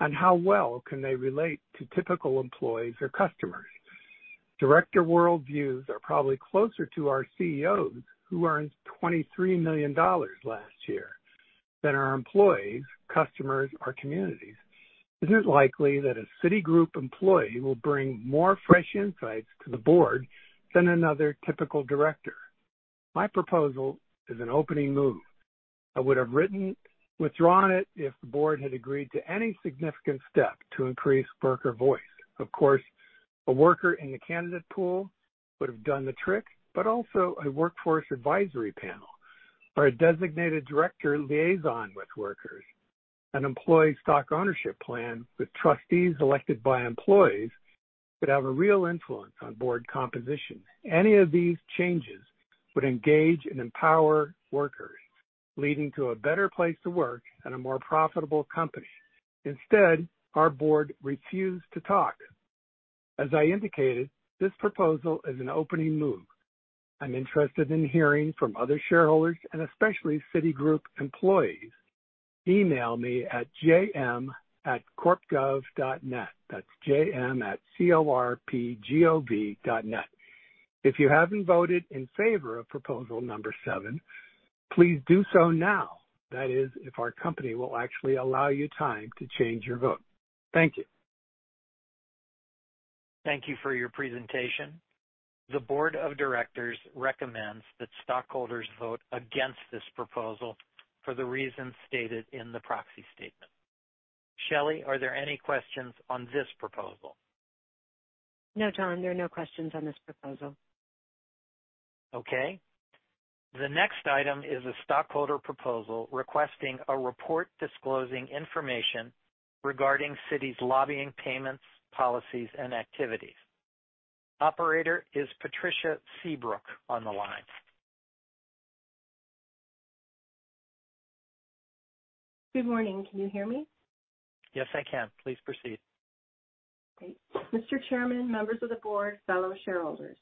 and how well can they relate to typical employees or customers? Director worldviews are probably closer to our CEOs, who earned $23 million last year, than our employees, customers, or communities. Isn't it likely that a Citigroup employee will bring more fresh insights to the Board than another typical director? My proposal is an opening move. I would have withdrawn it if the Board had agreed to any significant step to increase worker voice. Of course, a worker in the candidate pool would have done the trick, but also a workforce advisory panel or a designated director liaison with workers. An employee stock ownership plan with trustees elected by employees could have a real influence on Board composition. Any of these changes would engage and empower workers, leading to a better place to work and a more profitable company. Instead, our Board refused to talk. As I indicated, this proposal is an opening move. I'm interested in hearing from other shareholders and especially Citigroup employees. Email me at jm@corpgov.net. That's jm@corpgov.net. If you haven't voted in favor of Proposal No. 7, please do so now. That is, if our company will actually allow you time to change your vote. Thank you. Thank you for your presentation. The Board of Directors recommends that stockholders vote against this proposal for the reasons stated in the Proxy Statement. [Shelley], are there any questions on this proposal? No, John, there are no questions on this proposal. Okay. The next item is a stockholder proposal requesting a report disclosing information regarding Citi's lobbying payments, policies, and activities. Operator, is Patricia Seabrook on the line? Good morning. Can you hear me? Yes, I can. Please proceed. Great. Mr. Chairman, members of the Board, fellow shareholders,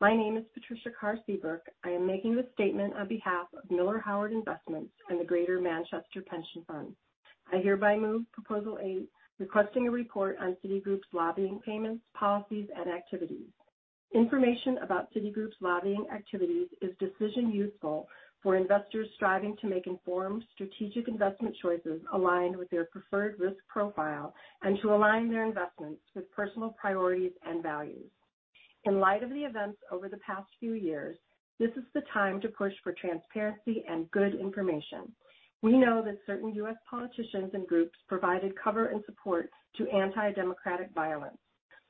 my name is Patricia Karr Seabrook. I am making this statement on behalf of Miller/Howard Investments and the Greater Manchester Pension Fund. I hereby move Proposal 8, requesting a report on Citigroup's lobbying payments, policies, and activities. Information about Citigroup's lobbying activities is decision useful for investors striving to make informed strategic investment choices aligned with their preferred risk profile and to align their investments with personal priorities and values. In light of the events over the past few years, this is the time to push for transparency and good information. We know that certain U.S. politicians and groups provided cover and support to anti-democratic violence.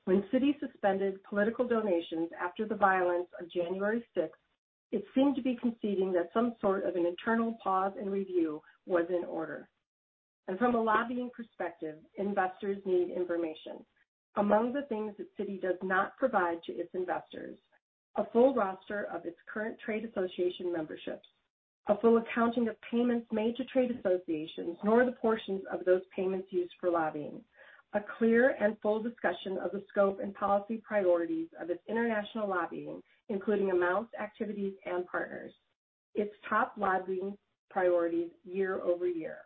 When Citi suspended political donations after the violence on January 6th, it seemed to be conceding that some sort of an internal pause and review was in order. From a lobbying perspective, investors need information. Among the things that Citi does not provide to its investors, a full roster of its current trade association memberships, a full accounting of payments made to trade associations, nor the portions of those payments used for lobbying. A clear and full discussion of the scope and policy priorities of its international lobbying, including amounts, activities, and partners. Its top lobbying priorities year-over-year.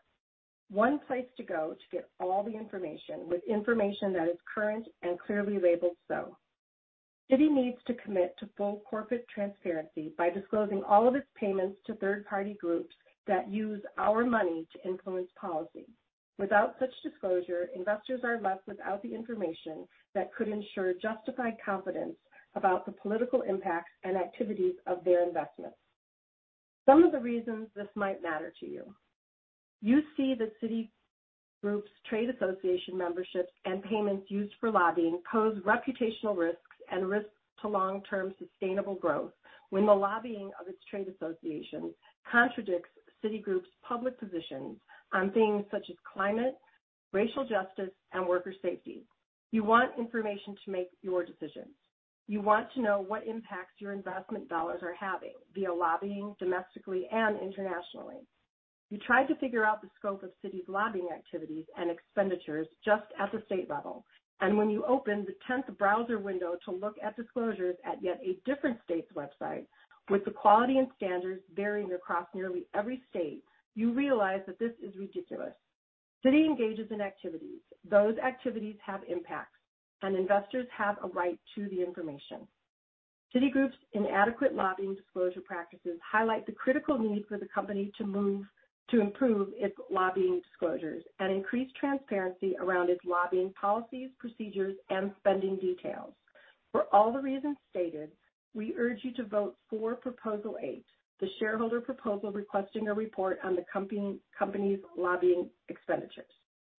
One place to go to get all the information with information that is current and clearly labeled so. Citi needs to commit to full corporate transparency by disclosing all of its payments to third-party groups that use our money to influence policy. Without such disclosure, investors are left without the information that could ensure justified confidence about the political impacts and activities of their investments. Some of the reasons this might matter to you. You see Citigroup's trade association memberships and payments used for lobbying pose reputational risks and risks to long-term sustainable growth when the lobbying of its trade association contradicts Citigroup's public positions on things such as climate, racial justice, and worker safety. You want information to make your decisions. You want to know what impacts your investment dollars are having via lobbying domestically and internationally. You tried to figure out the scope of Citi's lobbying activities and expenditures just at the state level, and when you open the 10th browser window to look at disclosures at yet a different state's website, with the quality and standards varying across nearly every state, you realize that this is ridiculous. Citi engages in activities. Those activities have impacts, and investors have a right to the information. Citigroup's inadequate lobbying disclosure practices highlight the critical need for the company to improve its lobbying disclosures and increase transparency around its lobbying policies, procedures, and spending details. For all the reasons stated, we urge you to vote for Proposal 8, the shareholder proposal requesting a report on the company's lobbying expenditures.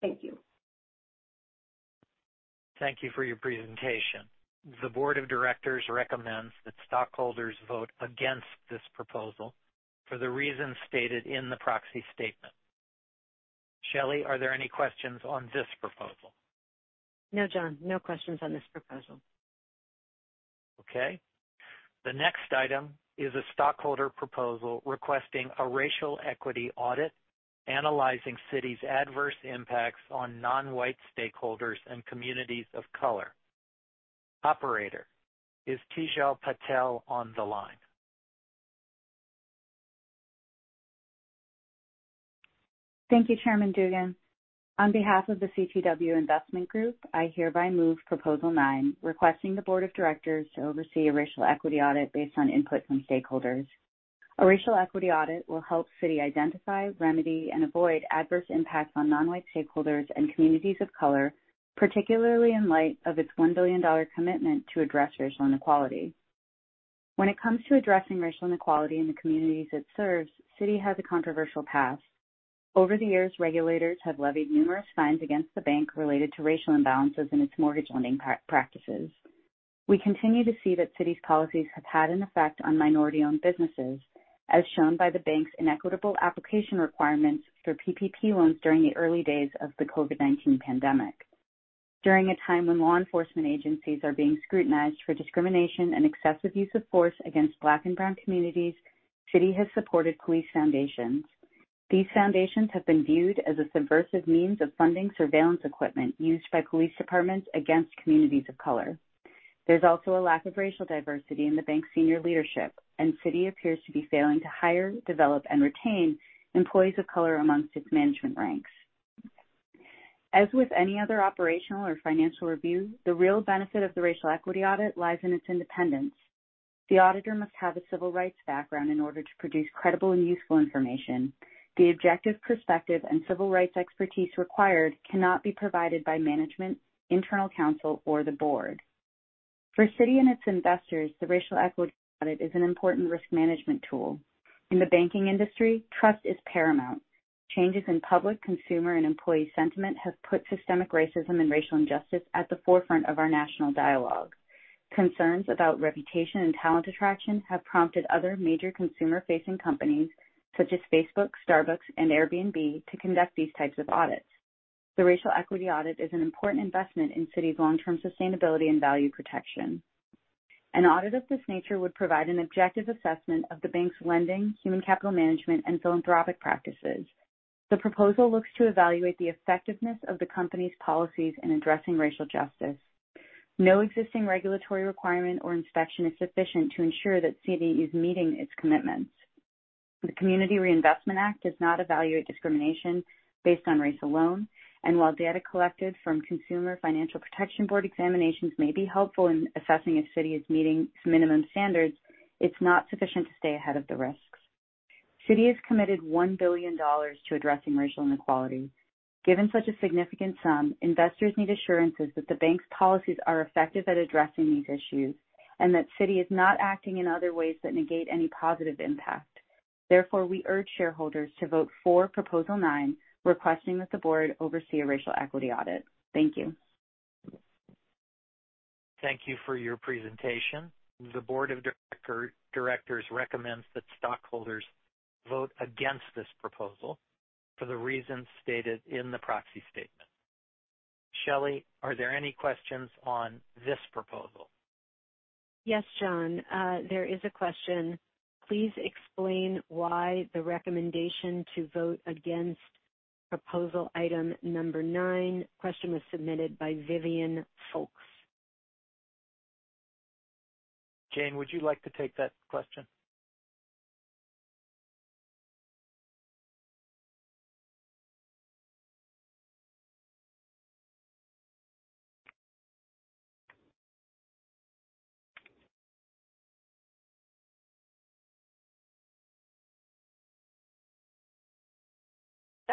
Thank you. Thank you for your presentation. The Board of Directors recommends that stockholders vote against this proposal for the reasons stated in the Proxy Statement. [Shelley], are there any questions on this proposal? No, John, no questions on this proposal. Okay. The next item is a stockholder proposal requesting a racial equity audit analyzing Citi's adverse impacts on non-white stakeholders and communities of color. Operator, is Tejal Patel on the line? Thank you, Chairman Dugan. On behalf of the CtW Investment Group, I hereby move Proposal 9, requesting the Board of Directors to oversee a racial equity audit based on input from stakeholders. A racial equity audit will help Citi identify, remedy, and avoid adverse impacts on non-white stakeholders and communities of color, particularly in light of its $1 billion commitment to address racial inequality. When it comes to addressing racial inequality in the communities it serves, Citi has a controversial past. Over the years, regulators have levied numerous fines against the bank related to racial imbalances in its mortgage lending practices. We continue to see that Citi's policies have had an effect on minority-owned businesses, as shown by the bank's inequitable application requirements for PPP loans during the early days of the COVID-19 pandemic. During a time when law enforcement agencies are being scrutinized for discrimination and excessive use of force against Black and Brown communities, Citi has supported police foundations. These foundations have been viewed as a subversive means of funding surveillance equipment used by police departments against communities of color. There's also a lack of racial diversity in the bank's senior leadership, and Citi appears to be failing to hire, develop, and retain employees of color amongst its management ranks. As with any other operational or financial review, the real benefit of the racial equity audit lies in its independence. The auditor must have a civil rights background in order to produce credible and useful information. The objective perspective and civil rights expertise required cannot be provided by management, internal counsel, or the Board. For Citi and its investors, the racial equity audit is an important risk management tool. In the banking industry, trust is paramount. Changes in public, consumer, and employee sentiment have put systemic racism and racial injustice at the forefront of our national dialogue. Concerns about reputation and talent attraction have prompted other major consumer-facing companies, such as Facebook, Starbucks, and Airbnb, to conduct these types of audits. The racial equity audit is an important investment in Citi's long-term sustainability and value protection. An audit of this nature would provide an objective assessment of the bank's lending, human capital management, and philanthropic practices. The proposal looks to evaluate the effectiveness of the company's policies in addressing racial justice. No existing regulatory requirement or inspection is sufficient to ensure that Citi is meeting its commitments. The Community Reinvestment Act does not evaluate discrimination based on race alone, and while data collected from Consumer Financial Protection Bureau examinations may be helpful in assessing if Citi is meeting minimum standards, it's not sufficient to stay ahead of the risks. Citi has committed $1 billion to addressing racial inequality. Given such a significant sum, investors need assurances that the bank's policies are effective at addressing these issues and that Citi is not acting in other ways that negate any positive impact. Therefore, we urge shareholders to vote for Proposal 9, requesting that the Board oversee a racial equity audit. Thank you. Thank you for your presentation. The Board of directors recommends that stockholders vote against this proposal for the reasons stated in the Proxy Statement. [Shelley], are there any questions on this proposal? Yes, John. There is a question. Please explain why the recommendation to vote against Proposal Item No. 9. Question was submitted by [Vivian Folks]. Jane, would you like to take that question?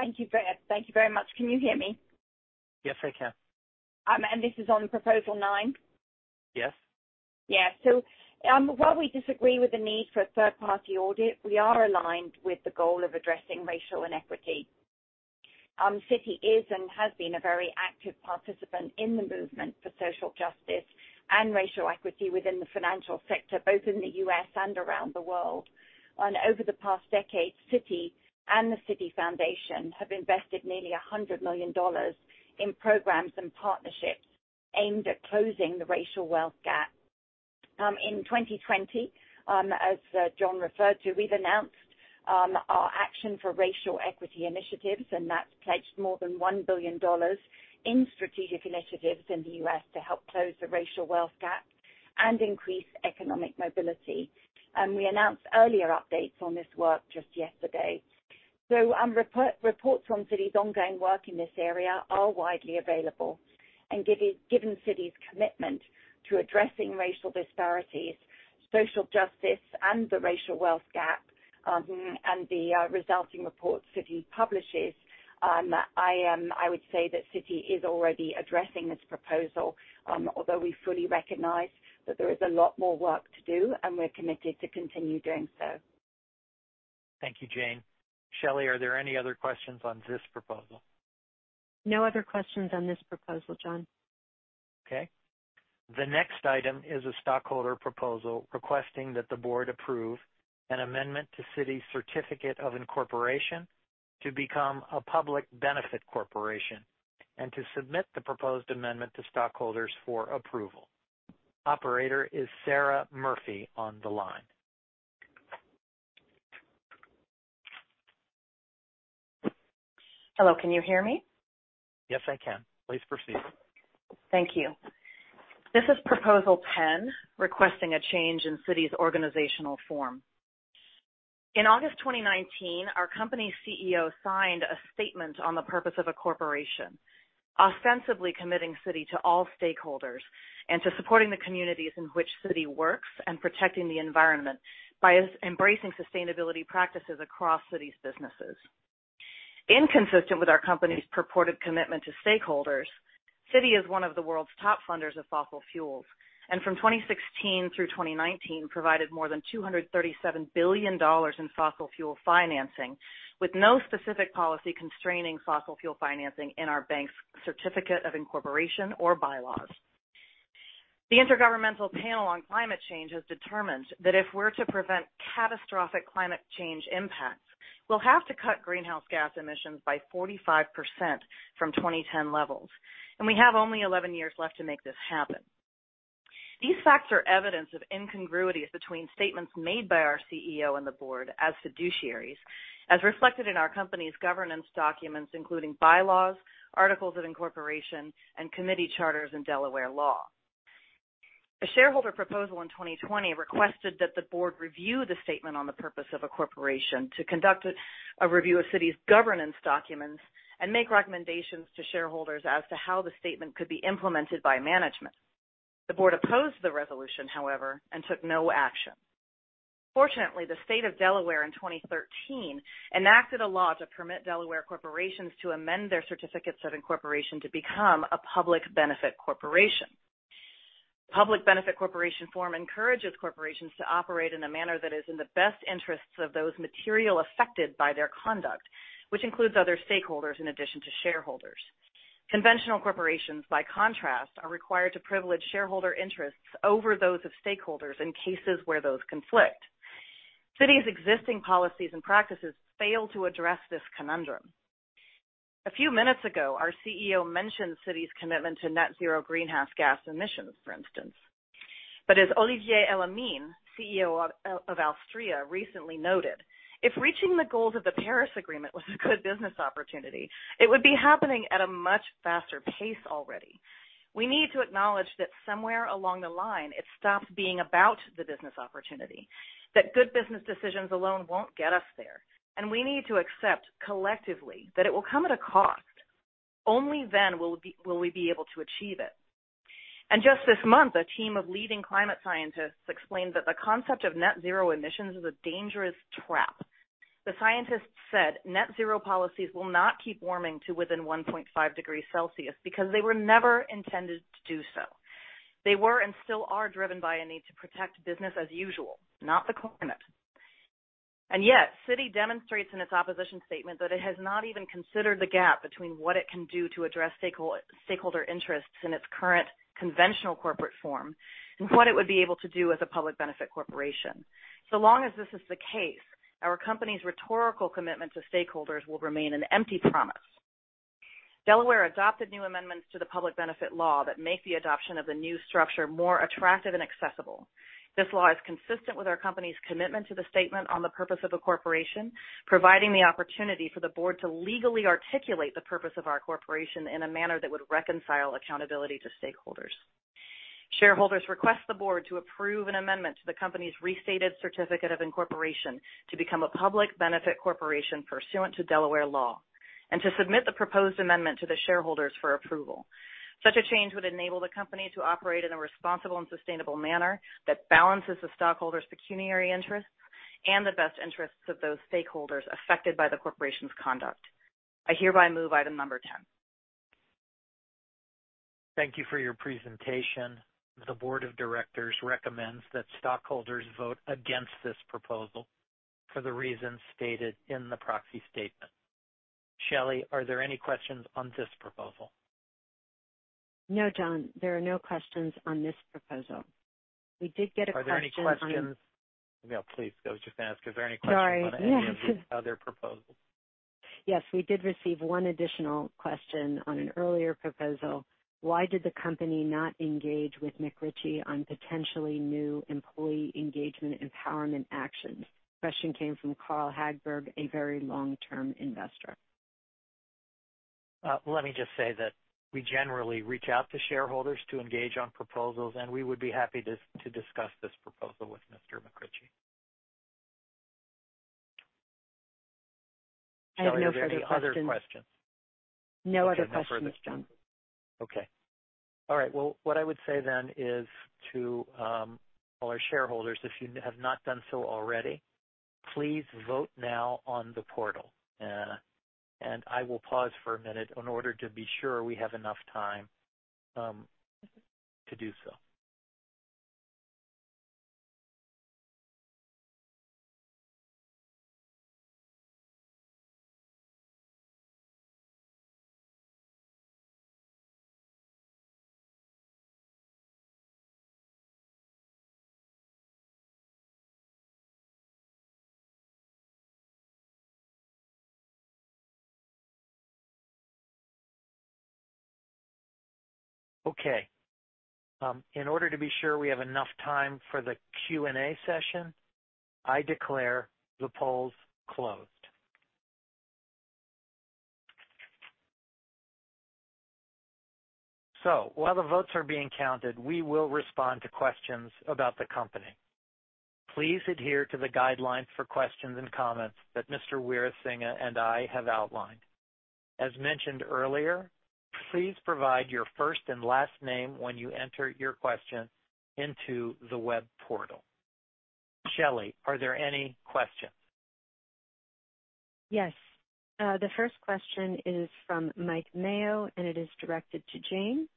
Thank you very much. Can you hear me? Yes, I can. This is on Proposal 9? Yes. Yeah. While we disagree with the need for a third-party audit, we are aligned with the goal of addressing racial inequity. Citi is and has been a very active participant in the movement for social justice and racial equity within the financial sector, both in the U.S. and around the world. Over the past decade, Citi and the Citi Foundation have invested nearly $100 million in programs and partnerships aimed at closing the racial wealth gap. In 2020, as John referred to, we've announced our Action for Racial Equity initiatives, and that's pledged more than $1 billion in strategic initiatives in the U.S. to help close the racial wealth gap and increase economic mobility. We announced earlier updates on this work just yesterday. Reports from Citi's ongoing work in this area are widely available, and given Citi's commitment to addressing racial disparities, social justice, and the racial wealth gap, and the resulting report Citi publishes, I would say that Citi is already addressing this proposal, although we fully recognize that there is a lot more work to do, and we're committed to continue doing so. Thank you, Jane. [Shelley], are there any other questions on this proposal? No other questions on this proposal, John. Okay. The next item is a stockholder proposal requesting that the Board approve an amendment to Citi's certificate of incorporation to become a public benefit corporation and to submit the proposed amendment to stockholders for approval. Operator, is Sara Murphy on the line? Hello, can you hear me? Yes, I can. Please proceed. Thank you. This is Proposal 10, requesting a change in Citi's organizational form. In August 2019, our company's CEO signed a statement on the purpose of a corporation, ostensibly committing Citi to all stakeholders and to supporting the communities in which Citi works and protecting the environment by embracing sustainability practices across Citi's businesses. Inconsistent with our company's purported commitment to stakeholders, Citi is one of the world's top funders of fossil fuels, and from 2016 through 2019 provided more than $237 billion in fossil fuel financing, with no specific policy constraining fossil fuel financing in our bank's certificate of incorporation or bylaws. The Intergovernmental Panel on Climate Change has determined that if we're to prevent catastrophic climate change impacts, we'll have to cut greenhouse gas emissions by 45% from 2010 levels. We have only 11 years left to make this happen. These facts are evidence of incongruities between statements made by our CEO and the Board as fiduciaries, as reflected in our company's governance documents, including bylaws, articles of incorporation, and committee charters in Delaware law. A shareholder proposal in 2020 requested that the Board review the statement on the purpose of a corporation to conduct a review of Citi's governance documents and make recommendations to shareholders as to how the statement could be implemented by management. The Board opposed the resolution, however, and took no action. Fortunately, the state of Delaware in 2013 enacted a law to permit Delaware corporations to amend their certificates of incorporation to become a public benefit corporation. Public benefit corporation form encourages corporations to operate in a manner that is in the best interests of those materially affected by their conduct, which includes other stakeholders in addition to shareholders. Conventional corporations, by contrast, are required to privilege shareholder interests over those of stakeholders in cases where those conflict. Citi's existing policies and practices fail to address this conundrum. A few minutes ago, our CEO mentioned Citi's commitment to net zero greenhouse gas emissions, for instance. As Olivier Elamine, CEO of alstria, recently noted, if reaching the goals of the Paris Agreement was a good business opportunity, it would be happening at a much faster pace already. We need to acknowledge that somewhere along the line, it stops being about the business opportunity, that good business decisions alone won't get us there, and we need to accept collectively that it will come at a cost. Only then will we be able to achieve it. Just this month, a team of leading climate scientists explained that the concept of net zero emissions is a dangerous trap. The scientists said net zero policies will not keep warming to within 1.5 degrees Celsius because they were never intended to do so. They were and still are driven by a need to protect business as usual, not the climate. Yet, Citi demonstrates in its opposition statement that it has not even considered the gap between what it can do to address stakeholder interests in its current conventional corporate form and what it would be able to do as a public benefit corporation. Long as this is the case, our company's rhetorical commitment to stakeholders will remain an empty promise. Delaware adopted new amendments to the public benefit law that make the adoption of the new structure more attractive and accessible. This law is consistent with our company's commitment to the statement on the purpose of a corporation, providing the opportunity for the Board to legally articulate the purpose of our corporation in a manner that would reconcile accountability to stakeholders. Shareholders request the Board to approve an amendment to the company's restated certificate of incorporation to become a public benefit corporation pursuant to Delaware law and to submit the proposed amendment to the shareholders for approval. Such a change would enable the company to operate in a responsible and sustainable manner that balances the stockholders' pecuniary interests and the best interests of those stakeholders affected by the corporation's conduct. I hereby move Item No. 10. Thank you for your presentation. The Board of Directors recommends that stockholders vote against this proposal for the reasons stated in the Proxy Statement. [Shelley], are there any questions on this proposal? No, John, there are no questions on this proposal. We did get a question. Are there any questions? Please, I was just going to ask, are there any questions on any of the other proposals? Yes. We did receive one additional question on an earlier proposal. Why did the company not engage with McRitchie on potentially new employee engagement empowerment actions? Question came from [Carl Hagberg], a very long-term investor. Let me just say that we generally reach out to shareholders to engage on proposals, and we would be happy to discuss this proposal with Mr. McRitchie. I have no further questions. [Shelley], are there any other questions? No other questions, John. Okay. All right. Well, what I would say is to all our shareholders, if you have not done so already, please vote now on the portal. I will pause for a minute in order to be sure we have enough time to do so. Okay. In order to be sure we have enough time for the Q&A session, I declare the polls closed. While the votes are being counted, we will respond to questions about the company. Please adhere to the guidelines for questions and comments that Mr. Weerasinghe and I have outlined. As mentioned earlier, please provide your first and last name when you enter your question into the web portal. [Shelley], are there any questions? Yes. The first question is from Mike Mayo. It is directed to Jane.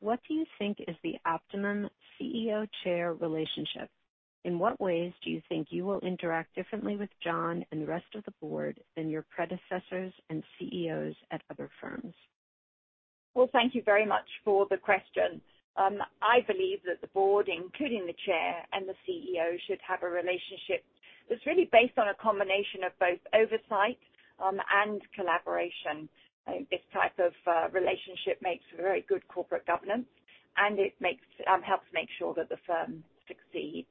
What do you think is the optimum CEO-Chair relationship? In what ways do you think you will interact differently with John and the rest of the Board than your predecessors and CEOs at other firms? Well, thank you very much for the question. I believe that the Board, including the Chair and the CEO, should have a relationship that's really based on a combination of both oversight and collaboration. I think this type of relationship makes for very good corporate governance, and it helps make sure that the firm succeeds.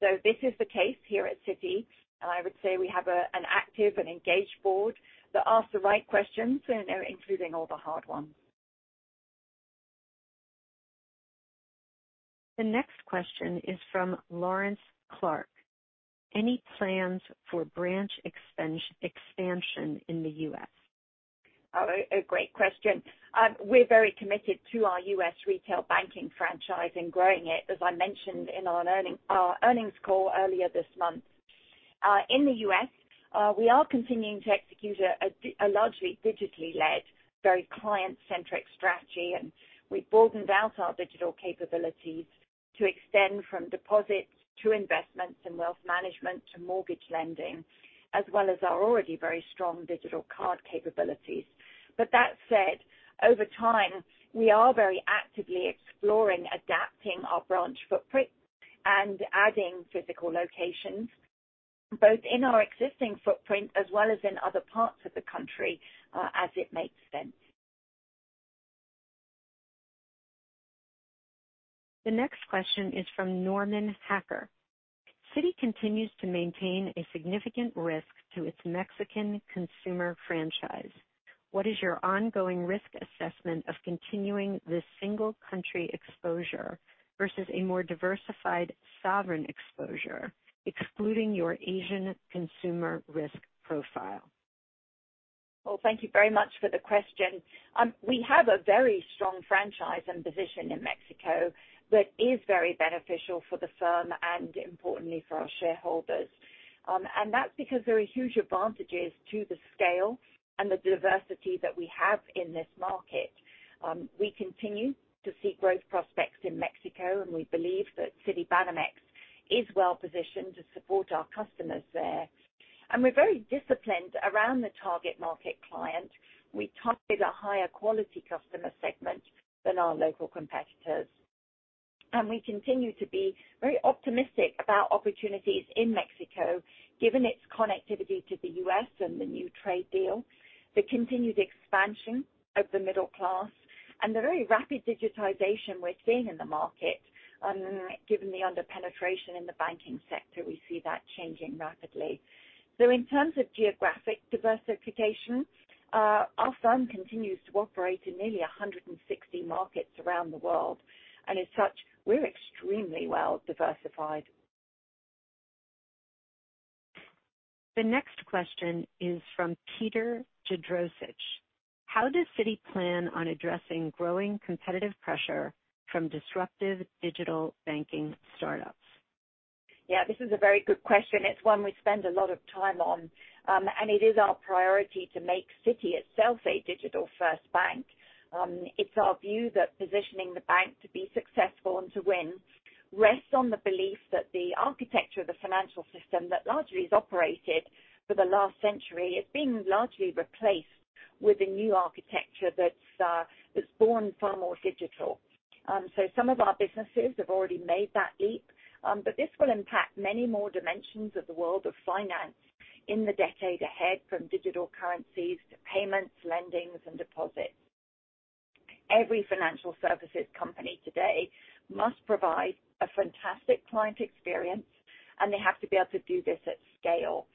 This is the case here at Citi, and I would say we have an active and engaged Board that asks the right questions, including all the hard ones. The next question is from [Lawrence Clarke]. Any plans for branch expansion in the U.S.? A great question. We're very committed to our U.S. retail banking franchise and growing it, as I mentioned in our earnings call earlier this month. In the U.S., we are continuing to execute a largely digitally led, very client-centric strategy. We've broadened out our digital capabilities to extend from deposits to investments, in Wealth Management to mortgage lending, as well as our already very strong digital card capabilities. That said, over time, we are very actively exploring adapting our branch footprint and adding physical locations, both in our existing footprint as well as in other parts of the country, as it makes sense. The next question is from [Norman Hacker]. Citi continues to maintain a significant risk to its Mexican consumer franchise. What is your ongoing risk assessment of continuing this single-country exposure versus a more diversified sovereign exposure, excluding your Asian consumer risk profile? Thank you very much for the question. We have a very strong franchise and position in Mexico that is very beneficial for the firm and importantly for our shareholders. That's because there are huge advantages to the scale and the diversity that we have in this market. We continue to see growth prospects in Mexico, and we believe that Citibanamex is well-positioned to support our customers there. We're very disciplined around the target market client. We target a higher-quality customer segment than our local competitors. We continue to be very optimistic about opportunities in Mexico, given its connectivity to the U.S. and the new trade deal, the continued expansion of the middle class, and the very rapid digitization we're seeing in the market. Given the under-penetration in the banking sector, we see that changing rapidly. In terms of geographic diversification, our firm continues to operate in nearly 160 markets around the world. As such, we are extremely well-diversified. The next question is from [Peter Jadrosich]. How does Citi plan on addressing growing competitive pressure from disruptive digital banking startups? Yeah, this is a very good question. It's one we spend a lot of time on. It is our priority to make Citi itself a digital-first bank. It's our view that positioning the bank to be successful and to win rests on the belief that the architecture of the financial system that largely has operated for the last century is being largely replaced with a new architecture that's born far more digital. Some of our businesses have already made that leap. This will impact many more dimensions of the world of finance in the decade ahead, from digital currencies to payments, lendings, and deposits. Every financial services company today must provide a fantastic client experience, and they have to be able to do this at scale.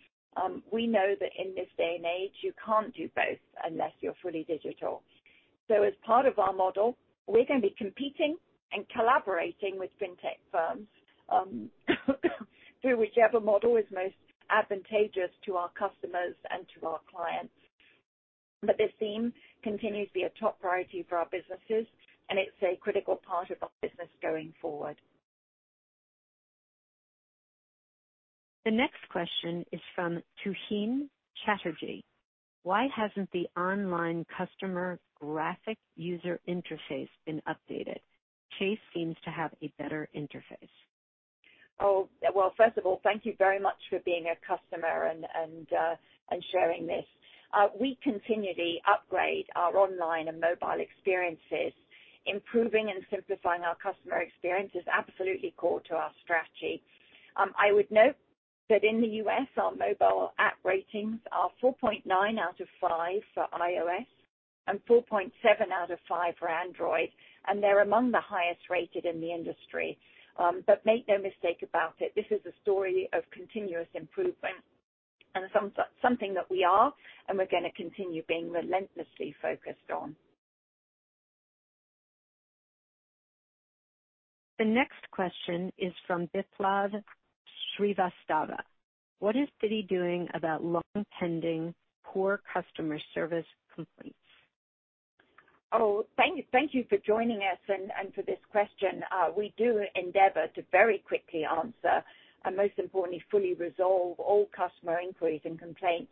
We know that in this day and age, you can't do both unless you're fully digital. As part of our model, we're going to be competing and collaborating with fintech firms, through whichever model is most advantageous to our customers and to our clients. This theme continues to be a top priority for our businesses, and it's a critical part of our business going forward. The next question is from [Tuhin Chatterjee]. "Why hasn't the online customer graphic user interface been updated? Chase seems to have a better interface. Well, first of all, thank you very much for being a customer and sharing this. We continually upgrade our online and mobile experiences. Improving and simplifying our customer experience is absolutely core to our strategy. I would note that in the U.S., our mobile app ratings are 4.9 out of 5 for iOS and 4.7 out of 5 for Android, and they're among the highest rated in the industry. Make no mistake about it, this is a story of continuous improvement and something that we are, and we're going to continue being relentlessly focused on. The next question is from [Biplav Srivastava]. "What is Citi doing about long-pending poor customer service complaints? Oh, thank you for joining us and for this question. We do endeavor to very quickly answer and, most importantly, fully resolve all customer inquiries and complaints.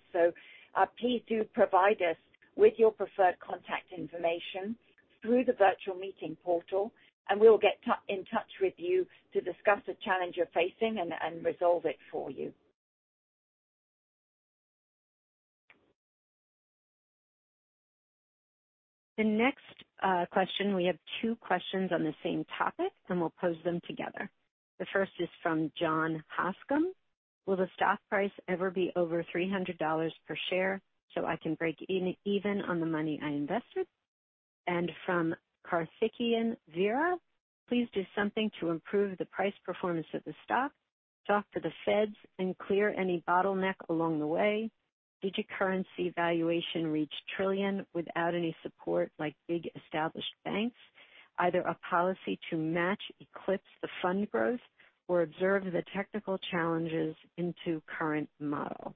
Please do provide us with your preferred contact information through the virtual meeting portal, and we will get in touch with you to discuss the challenge you're facing and resolve it for you. The next question, we have two questions on the same topic, and we will pose them together. The first is from [John Hoskam]. "Will the stock price ever be over $300 per share so I can break even on the money I invested?" From [Karthikeyan Veera], "Please do something to improve the price performance of the stock. Talk to the Feds and clear any bottleneck along the way. Did your currency valuation reach trillion without any support like big established banks? Either a policy to match, eclipse the fund growth, or observe the technical challenges into current model.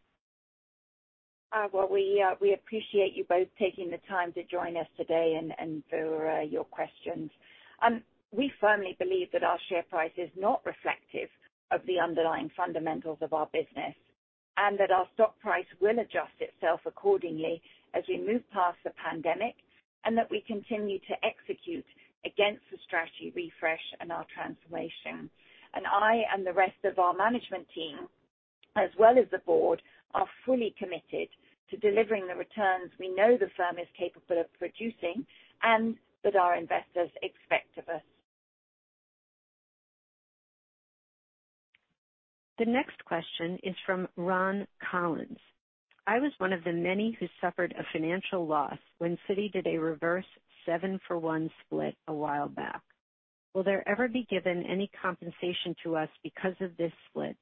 Well, we appreciate you both taking the time to join us today and for your questions. We firmly believe that our share price is not reflective of the underlying fundamentals of our business, and that our stock price will adjust itself accordingly as we move past the pandemic, and that we continue to execute against the strategy refresh and our transformation. I and the rest of our management team, as well as the Board, are fully committed to delivering the returns we know the firm is capable of producing and that our investors expect of us. The next question is from Ron Collins. "I was one of the many who suffered a financial loss when Citi did a reverse 7-for-1 split a while back. Will there ever be given any compensation to us because of this split,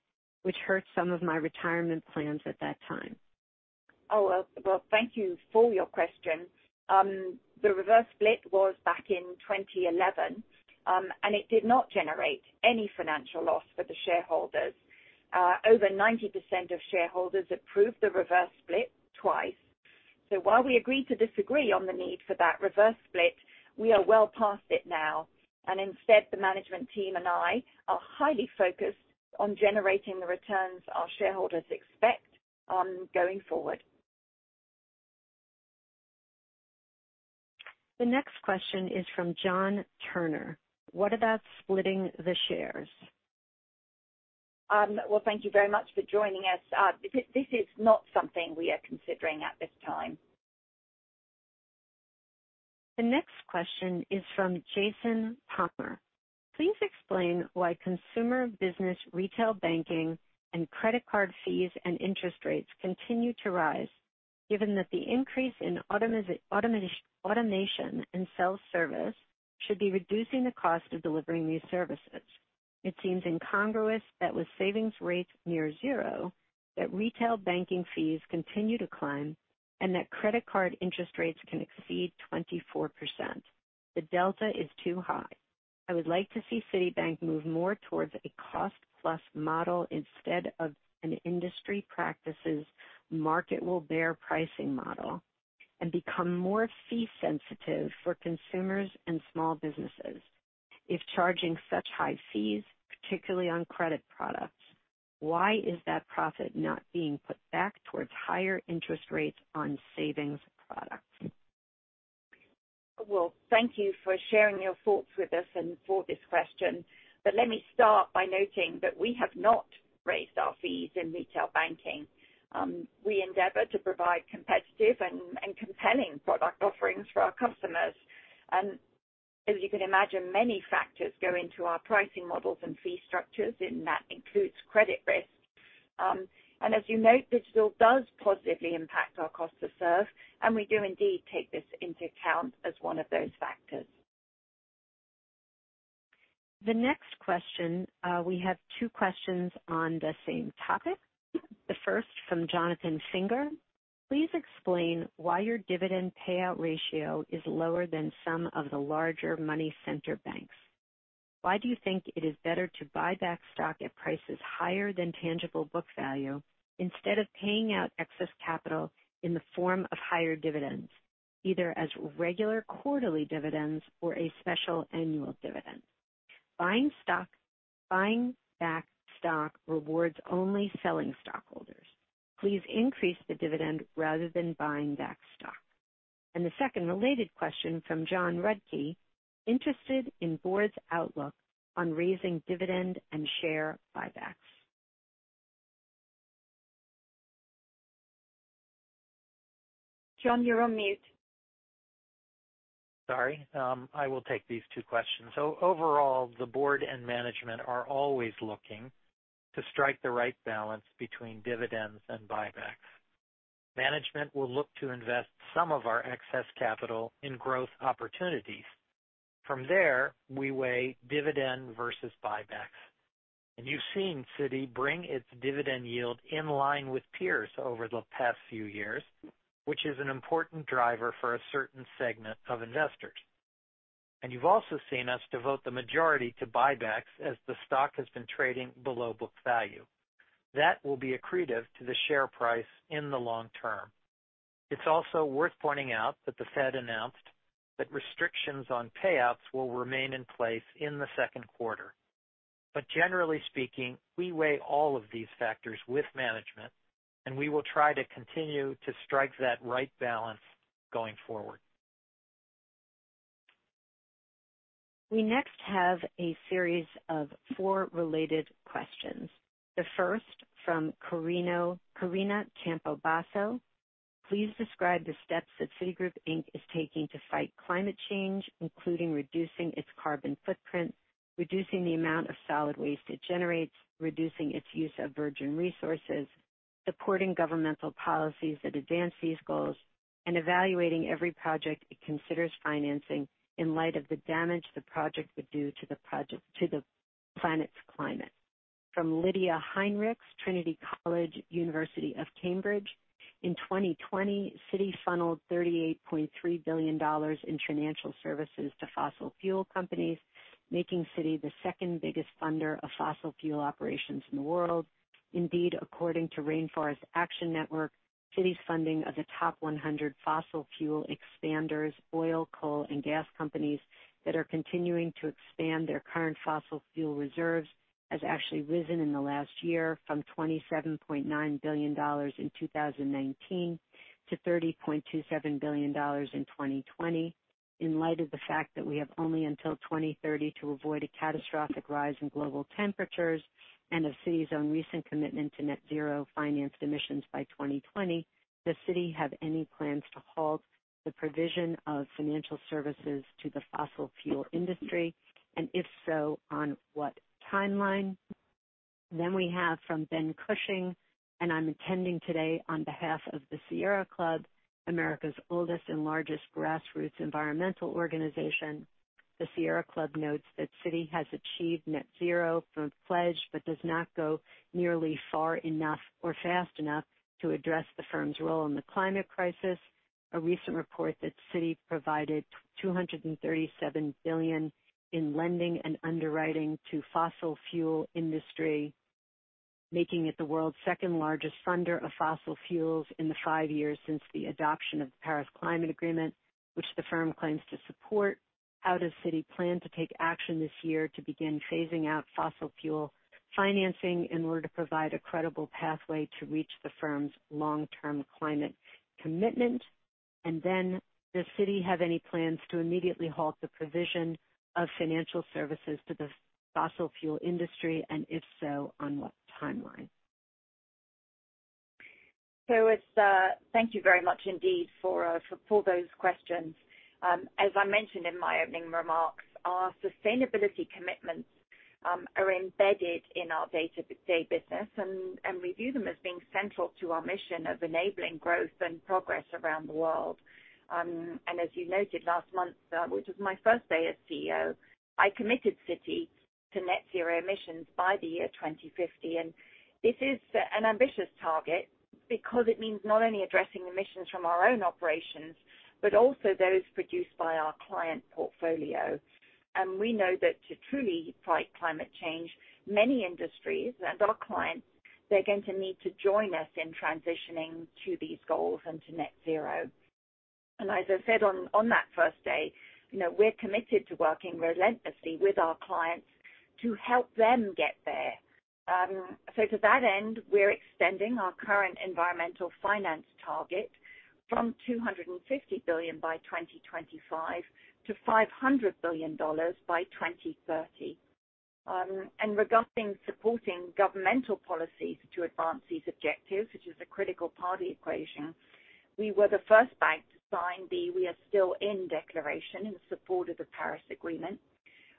which hurt some of my retirement plans at that time? Oh, well, thank you for your question. The reverse split was back in 2011, and it did not generate any financial loss for the shareholders. Over 90% of shareholders approved the reverse split twice. While we agree to disagree on the need for that reverse split, we are well past it now, and instead, the management team and I are highly focused on generating the returns our shareholders expect going forward. The next question is from [John Turner]. "What about splitting the shares? Well, thank you very much for joining us. This is not something we are considering at this time. The next question is from [Jason Palmer]. Please explain why consumer business, retail banking, and credit card fees and interest rates continue to rise, given that the increase in automation and self-service should be reducing the cost of delivering these services. It seems incongruous that with savings rates near zero, that retail banking fees continue to climb and that credit card interest rates can exceed 24%. The delta is too high. I would like to see Citibank move more towards a cost-plus model instead of an industry practice's market will bear pricing model and become more fee sensitive for consumers and small businesses. If charging such high fees, particularly on credit products, why is that profit not being put back towards higher interest rates on savings products? Well, thank you for sharing your thoughts with us and for this question. Let me start by noting that we have not raised our fees in retail banking. We endeavor to provide competitive and compelling product offerings for our customers. As you can imagine, many factors go into our pricing models and fee structures, and that includes credit risk. As you note, digital does positively impact our cost to serve, and we do indeed take this into account as one of those factors. The next question, we have two questions on the same topic. The first from Jonathan Finger. Please explain why your dividend payout ratio is lower than some of the larger money center banks. Why do you think it is better to buy back stock at prices higher than tangible book value, instead of paying out excess capital in the form of higher dividends, either as regular quarterly dividends or a special annual dividend? Buying back stock rewards only selling stockholders. Please increase the dividend rather than buying back stock. The second related question from [John Rudke]. Interested in Board's outlook on raising dividend and share buybacks. John, you're on mute. Sorry. I will take these two questions. Overall, the Board and management are always looking to strike the right balance between dividends and buybacks. Management will look to invest some of our excess capital in growth opportunities. From there, we weigh dividend versus buybacks. You've seen Citi bring its dividend yield in line with peers over the past few years, which is an important driver for a certain segment of investors. You've also seen us devote the majority to buybacks as the stock has been trading below book value. That will be accretive to the share price in the long term. It's also worth pointing out that the Fed announced that restrictions on payouts will remain in place in the second quarter. Generally speaking, we weigh all of these factors with management, and we will try to continue to strike that right balance going forward. We next have a series of four related questions. The first from [Carina Campobasso]. Please describe the steps that Citigroup Inc. is taking to fight climate change, including reducing its carbon footprint, reducing the amount of solid waste it generates, reducing its use of virgin resources, supporting governmental policies that advance these goals, and evaluating every project it considers financing in light of the damage the project would do to the planet's climate. From Lydia Heinrichs, Trinity College, University of Cambridge. In 2020, Citi funneled $38.3 billion in financial services to fossil fuel companies, making Citi the second biggest funder of fossil fuel operations in the world. Indeed, according to Rainforest Action Network, Citi's funding of the top 100 fossil fuel expanders, oil, coal, and gas companies that are continuing to expand their current fossil fuel reserves has actually risen in the last year from $27.9 billion in 2019 to $30.27 billion in 2020. In light of the fact that we have only until 2030 to avoid a catastrophic rise in global temperatures, and of Citi's own recent commitment to net zero financed emissions by 2020, does Citi have any plans to halt the provision of financial services to the fossil fuel industry? If so, on what timeline? We have from Ben Cushing, and I'm attending today on behalf of the Sierra Club, America's oldest and largest grassroots environmental organization. The Sierra Club notes that Citi has achieved net zero from its pledge, but does not go nearly far enough or fast enough to address the firm's role in the climate crisis. A recent report that Citi provided $237 billion in lending and underwriting to fossil fuel industry, making it the world's second largest funder of fossil fuels in the five years since the adoption of the Paris Climate Agreement, which the firm claims to support. How does Citi plan to take action this year to begin phasing out fossil fuel financing in order to provide a credible pathway to reach the firm's long-term climate commitment? Does Citi have any plans to immediately halt the provision of financial services to the fossil fuel industry, and if so, on what timeline? Thank you very much indeed for those questions. As I mentioned in my opening remarks, our sustainability commitments are embedded in our day-to-day business, and we view them as being central to our mission of enabling growth and progress around the world. As you noted, last month, which was my first day as CEO, I committed Citi to net zero emissions by the year 2050. This is an ambitious target because it means not only addressing emissions from our own operations, but also those produced by our client portfolio. We know that to truly fight climate change, many industries and our clients, they're going to need to join us in transitioning to these goals and to net zero. As I said on that first day, we're committed to working relentlessly with our clients to help them get there. To that end, we're extending our current environmental finance target from $250 billion by 2025 to $500 billion by 2030. Regarding supporting governmental policies to advance these objectives, which is a critical part of the equation, we were the first bank to sign the We Are Still In declaration in support of the Paris Agreement.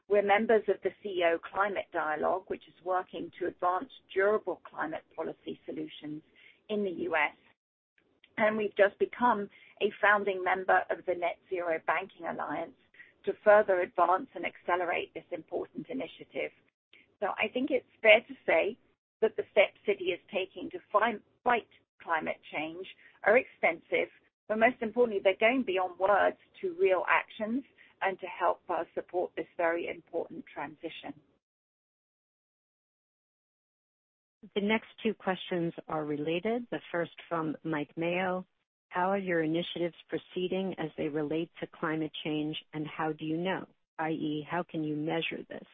We're members of the CEO Climate Dialogue, which is working to advance durable climate policy solutions in the U.S. We've just become a founding member of the Net-Zero Banking Alliance to further advance and accelerate this important initiative. I think it's fair to say that the steps Citi is taking to fight climate change are extensive, but most importantly, they're going beyond words to real actions and to help us support this very important transition. The next two questions are related. The first from Mike Mayo, "How are your initiatives proceeding as they relate to climate change, and how do you know? I.e., how can you measure this?"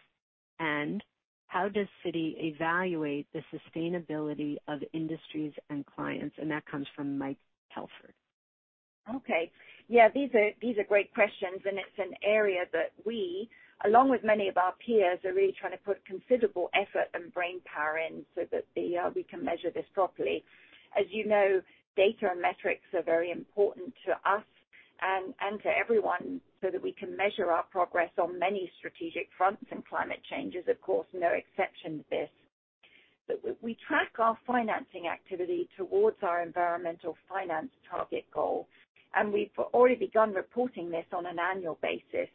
"How does Citi evaluate the sustainability of industries and clients?" That comes from [Mike Pelfrey]. Okay. These are great questions, and it's an area that we, along with many of our peers, are really trying to put considerable effort and brainpower in so that we can measure this properly. As you know, data and metrics are very important to us and to everyone so that we can measure our progress on many strategic fronts. Climate change is, of course, no exception to this. We track our financing activity towards our environmental finance target goal, and we've already begun reporting this on an annual basis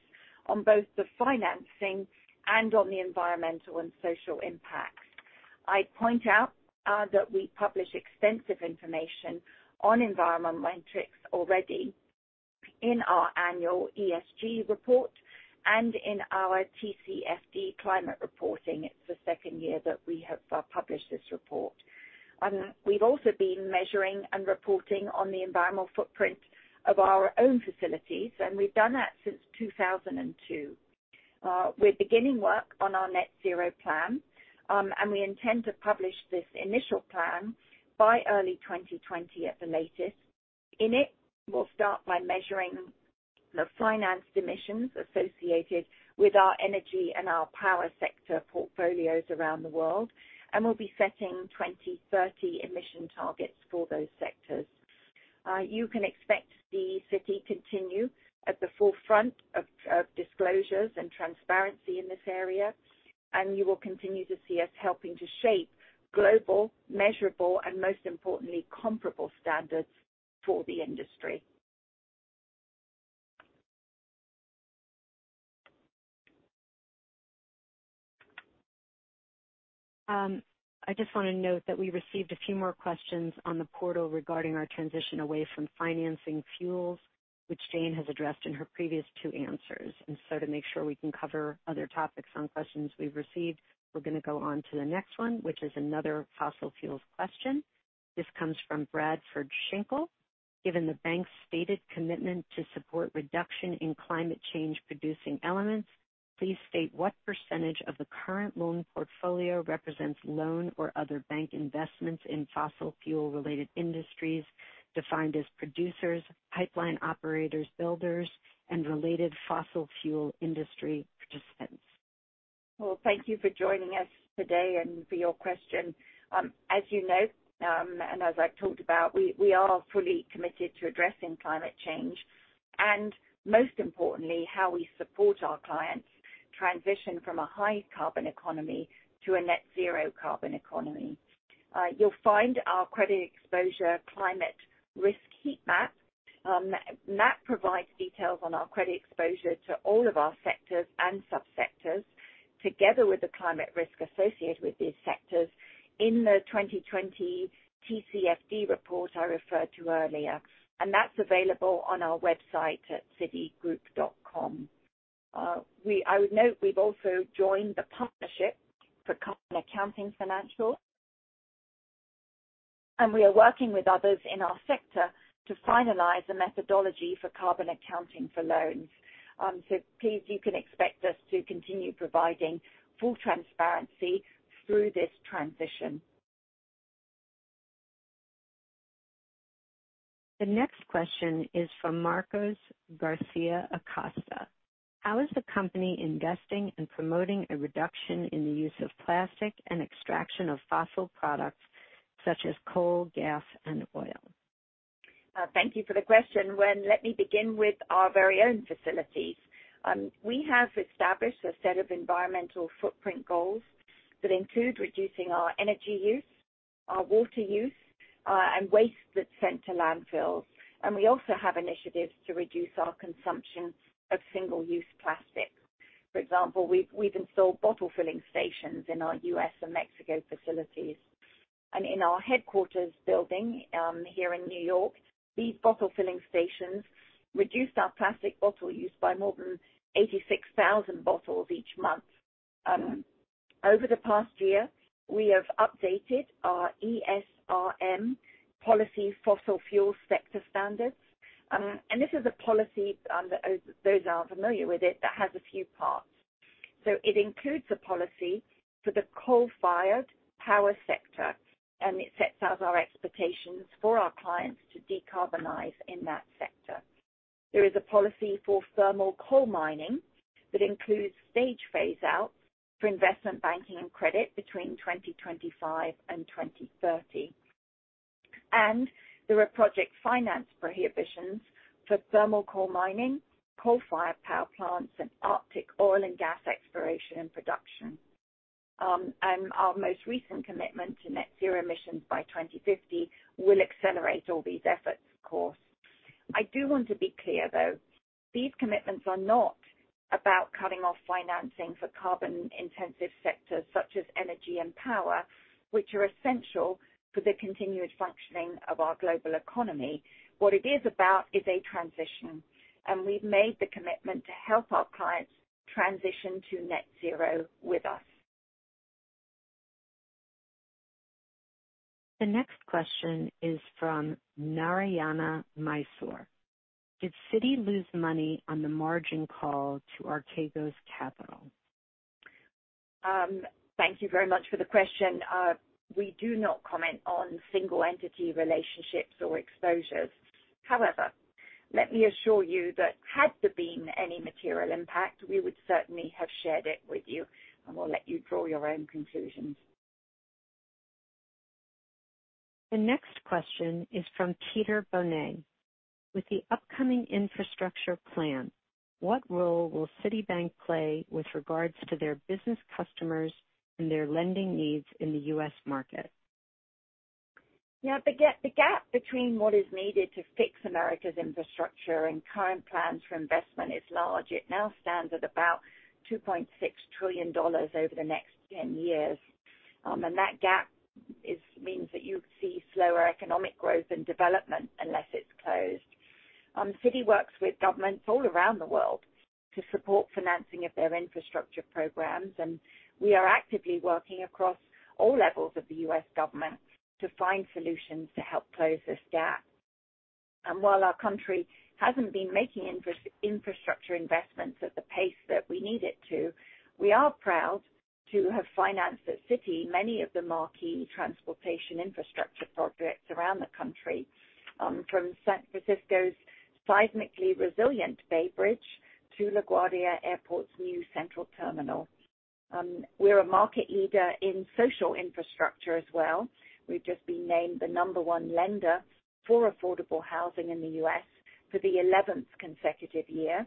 on both the financing and on the environmental and social impacts. I point out that we publish extensive information on environmental metrics already in our annual ESG report and in our TCFD climate reporting. It's the second year that we have published this report. We've also been measuring and reporting on the environmental footprint of our own facilities, and we've done that since 2002. We're beginning work on our net zero plan, and we intend to publish this initial plan by early 2020 at the latest. In it, we'll start by measuring the financed emissions associated with our energy and our power sector portfolios around the world, and we'll be setting 2030 emission targets for those sectors. You can expect the Citi continue at the forefront of disclosures and transparency in this area, and you will continue to see us helping to shape global, measurable, and, most importantly, comparable standards for the industry. I just want to note that we received a few more questions on the portal regarding our transition away from financing fuels, which Jane has addressed in her previous two answers. To make sure we can cover other topics on questions we've received, we're going on to the next one, which is another fossil fuels question. This comes from [Bradford Shinkle]. "Given the bank's stated commitment to support reduction in climate change-producing elements, please state what percentage of the current loan portfolio represents loan or other bank investments in fossil fuel-related industries defined as producers, pipeline operators, builders, and related fossil fuel industry participants. Well, thank you for joining us today and for your question. As you know, and as I talked about, we are fully committed to addressing climate change and, most importantly, how we support our clients transition from a high carbon economy to a net zero carbon economy. You'll find our credit exposure climate risk heat map. That provides details on our credit exposure to all of our sectors and sub-sectors, together with the climate risk associated with these sectors in the 2020 TCFD report I referred to earlier. That's available on our website at citigroup.com. I would note we've also joined the Partnership for Carbon Accounting Financials, we are working with others in our sector to finalize a methodology for carbon accounting for loans. Please, you can expect us to continue providing full transparency through this transition. The next question is from [Marcos Garcia Acosta]. "How is the company investing in promoting a reduction in the use of plastic and extraction of fossil products such as coal, gas, and oil? Thank you for the question. Well, let me begin with our very own facilities. We have established a set of environmental footprint goals that include reducing our energy use, our water use, and waste that's sent to landfills. We also have initiatives to reduce our consumption of single-use plastic. For example, we've installed bottle filling stations in our U.S. and Mexico facilities. In our headquarters building here in New York, these bottle filling stations reduced our plastic bottle use by more than 86,000 bottles each month. Over the past year, we have updated our ESRM policy fossil fuel sector standards. This is a policy, those that are familiar with it, that has a few parts. It includes a policy for the coal-fired power sector, and it sets out our expectations for our clients to decarbonize in that sector. There is a policy for thermal coal mining that includes stage phase-out for investment banking and credit between 2025 and 2030. There are project finance prohibitions for thermal coal mining, coal-fired power plants, and Arctic oil and gas exploration and production. Our most recent commitment to net zero emissions by 2050 will accelerate all these efforts, of course. I do want to be clear, though, these commitments are not about cutting off financing for carbon-intensive sectors such as energy and power, which are essential for the continued functioning of our global economy. What it is about is a transition, and we've made the commitment to help our clients transition to net zero with us. The next question is from [Narayana Mysor]. "Did Citi lose money on the margin call to Archegos Capital? Thank you very much for the question. We do not comment on single entity relationships or exposures. Let me assure you that had there been any material impact, we would certainly have shared it with you, and we'll let you draw your own conclusions. The next question is from [Peter Bonnet]. "With the upcoming infrastructure plan, what role will Citibank play with regards to their business customers and their lending needs in the U.S. market? Yeah. The gap between what is needed to fix America's infrastructure and current plans for investment is large. It now stands at about $2.6 trillion over the next 10 years. That gap means that you see slower economic growth and development unless it's closed. Citi works with governments all around the world to support financing of their infrastructure programs, and we are actively working across all levels of the U.S. government to find solutions to help close this gap. While our country hasn't been making infrastructure investments at the pace that we need it to, we are proud to have financed at Citi many of the marquee transportation infrastructure projects around the country, from San Francisco's seismically resilient Bay Bridge to LaGuardia Airport's new central terminal. We're a market leader in social infrastructure as well. We've just been named the number one lender for affordable housing in the U.S. for the 11th consecutive year,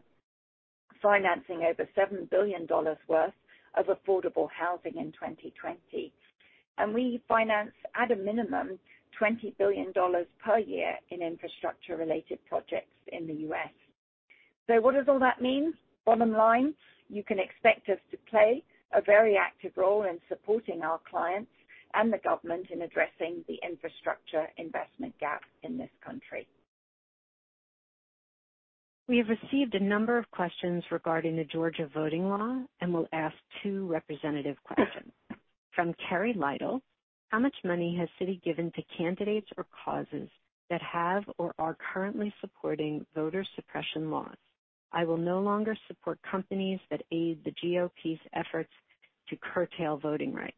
financing over $7 billion worth of affordable housing in 2020. We finance, at a minimum, $20 billion per year in infrastructure-related projects in the U.S. What does all that mean? Bottom line, you can expect us to play a very active role in supporting our clients and the government in addressing the infrastructure investment gap in this country. We have received a number of questions regarding the Georgia voting law and will ask two representative questions. From [Terry Lytle], "How much money has Citi given to candidates or causes that have or are currently supporting voter suppression laws? I will no longer support companies that aid the GOP's efforts to curtail voting rights."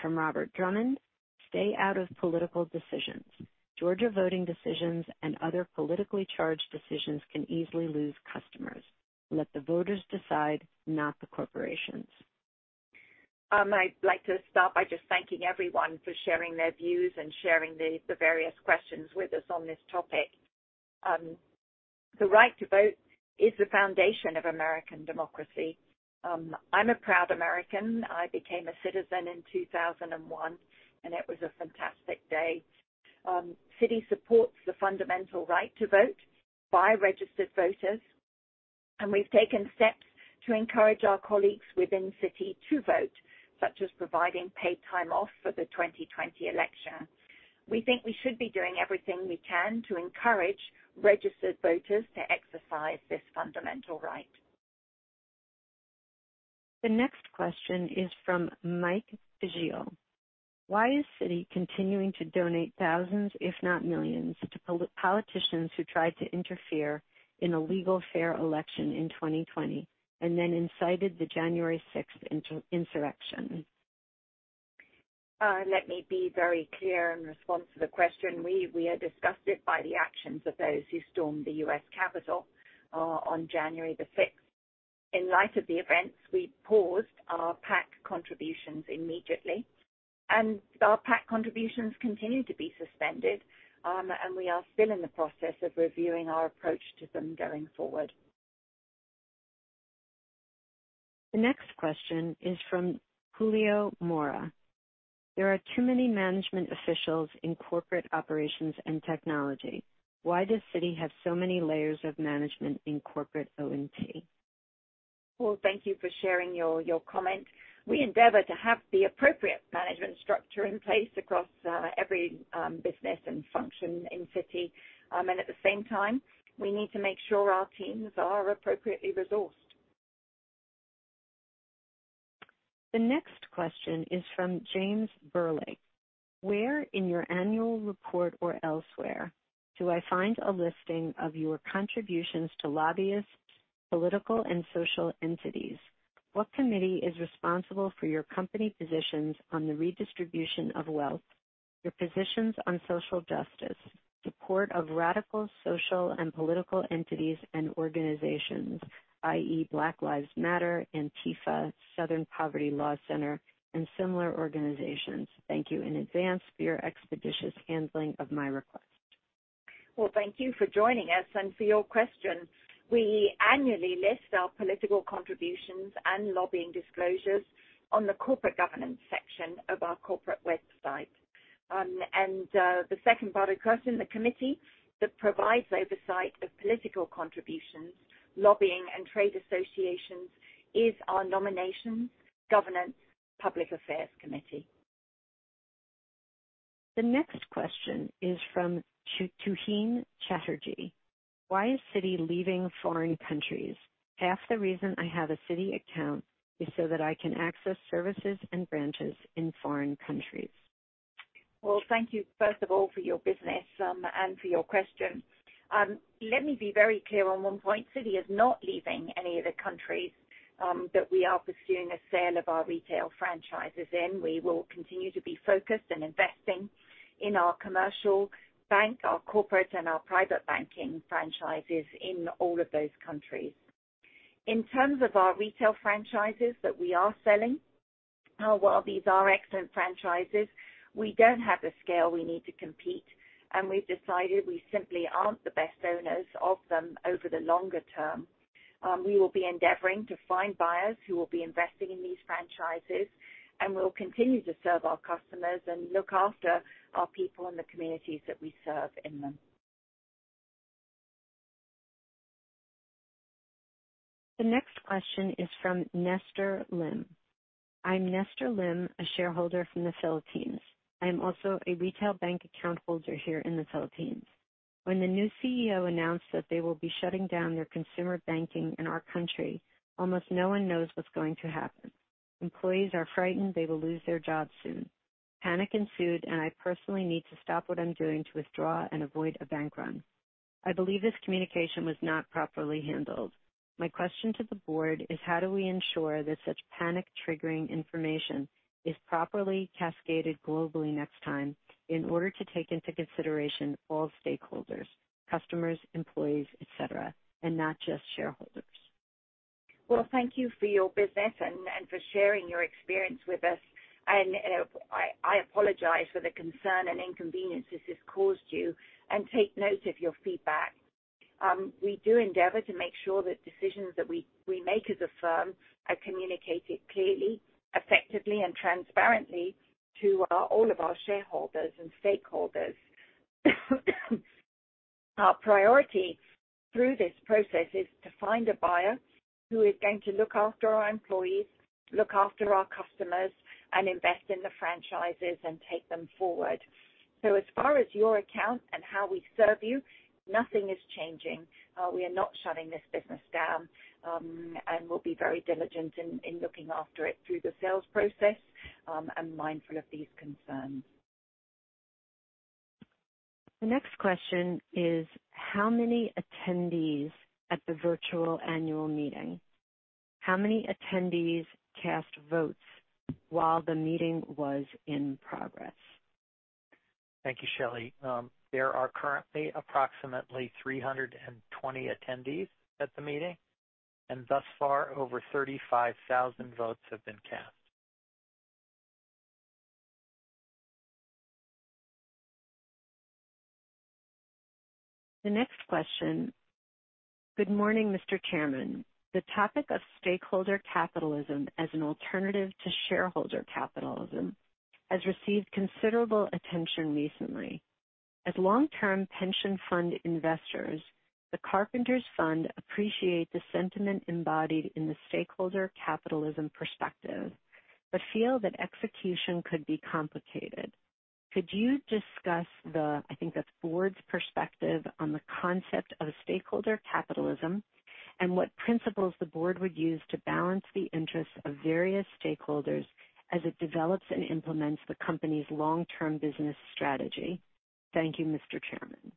From [Robert Drummond], "Stay out of political decisions. Georgia voting decisions and other politically charged decisions can easily lose customers. Let the voters decide, not the corporations. I'd like to start by just thanking everyone for sharing their views and sharing the various questions with us on this topic. The right to vote is the foundation of American democracy. I'm a proud American. I became a citizen in 2001, and it was a fantastic day. Citi supports the fundamental right to vote by registered voters, and we've taken steps to encourage our colleagues within Citi to vote, such as providing paid time off for the 2020 election. We think we should be doing everything we can to encourage registered voters to exercise this fundamental right. The next question is from [Mike Vigio]. "Why is Citi continuing to donate thousands, if not millions, to politicians who tried to interfere in a legal fair election in 2020 and then incited the January 6th insurrection? Let me be very clear in response to the question. We are disgusted by the actions of those who stormed the U.S. Capitol on January the 6th. In light of the events, we paused our PAC contributions immediately, and our PAC contributions continue to be suspended, and we are still in the process of reviewing our approach to them going forward. The next question is from [Julio Mora]. "There are too many management officials in corporate operations and technology. Why does Citi have so many layers of management in corporate O&T? Well, thank you for sharing your comment. We endeavor to have the appropriate management structure in place across every business and function in Citi. At the same time, we need to make sure our teams are appropriately resourced. The next question is from [James Burleigh]. "Where in your annual report or elsewhere do I find a listing of your contributions to lobbyists, political, and social entities? What committee is responsible for your company positions on the redistribution of wealth, your positions on social justice? Support of radical social and political entities and organizations, i.e., Black Lives Matter, Antifa, Southern Poverty Law Center, and similar organizations. Thank you in advance for your expeditious handling of my request. Well, thank you for joining us and for your question. We annually list our political contributions and lobbying disclosures on the corporate governance section of our corporate website. The second part of the question, the committee that provides oversight of political contributions, lobbying, and trade associations is our Nomination, Governance and Public Affairs Committee. The next question is from [Tuhin Chatterjee]. Why is Citi leaving foreign countries? Half the reason I have a Citi account is so that I can access services and branches in foreign countries. Well, thank you, first of all, for your business, and for your question. Let me be very clear on one point. Citi is not leaving any of the countries that we are pursuing a sale of our retail franchises in. We will continue to be focused and investing in our commercial bank, our corporate, and our private banking franchises in all of those countries. In terms of our retail franchises that we are selling, while these are excellent franchises, we don't have the scale we need to compete, and we've decided we simply aren't the best owners of them over the longer term. We will be endeavoring to find buyers who will be investing in these franchises, and we'll continue to serve our customers and look after our people in the communities that we serve in them. The next question is from [Nestor Lim]. I'm [Nestor Lim], a shareholder from the Philippines. I am also a retail bank account holder here in the Philippines. When the new CEO announced that they will be shutting down their consumer banking in our country, almost no one knows what's going to happen. Employees are frightened they will lose their jobs soon. Panic ensued, and I personally need to stop what I'm doing to withdraw and avoid a bank run. I believe this communication was not properly handled. My question to the Board is how do we ensure that such panic-triggering information is properly cascaded globally next time in order to take into consideration all stakeholders, customers, employees, et cetera, and not just shareholders? Well, thank you for your business and for sharing your experience with us. I apologize for the concern and inconvenience this has caused you and take note of your feedback. We do endeavor to make sure that decisions that we make as a firm are communicated clearly, effectively, and transparently to all of our shareholders and stakeholders. Our priority through this process is to find a buyer who is going to look after our employees, look after our customers, and invest in the franchises and take them forward. As far as your account and how we serve you, nothing is changing. We are not shutting this business down, and we'll be very diligent in looking after it through the sales process and mindful of these concerns. The next question is, how many attendees at the Virtual Annual Meeting. How many attendees cast votes while the meeting was in progress? Thank you, [Shelley]. There are currently approximately 320 attendees at the meeting, and thus far, over 35,000 votes have been cast. The next question. Good morning, Mr. Chairman. The topic of stakeholder capitalism as an alternative to shareholder capitalism has received considerable attention recently. As long-term pension fund investors, the Carpenters Fund appreciate the sentiment embodied in the stakeholder capitalism perspective, feel that execution could be complicated. Could you discuss the Board's perspective on the concept of stakeholder capitalism and what principles the Board would use to balance the interests of various stakeholders as it develops and implements the company's long-term business strategy? Thank you, Mr. Chairman.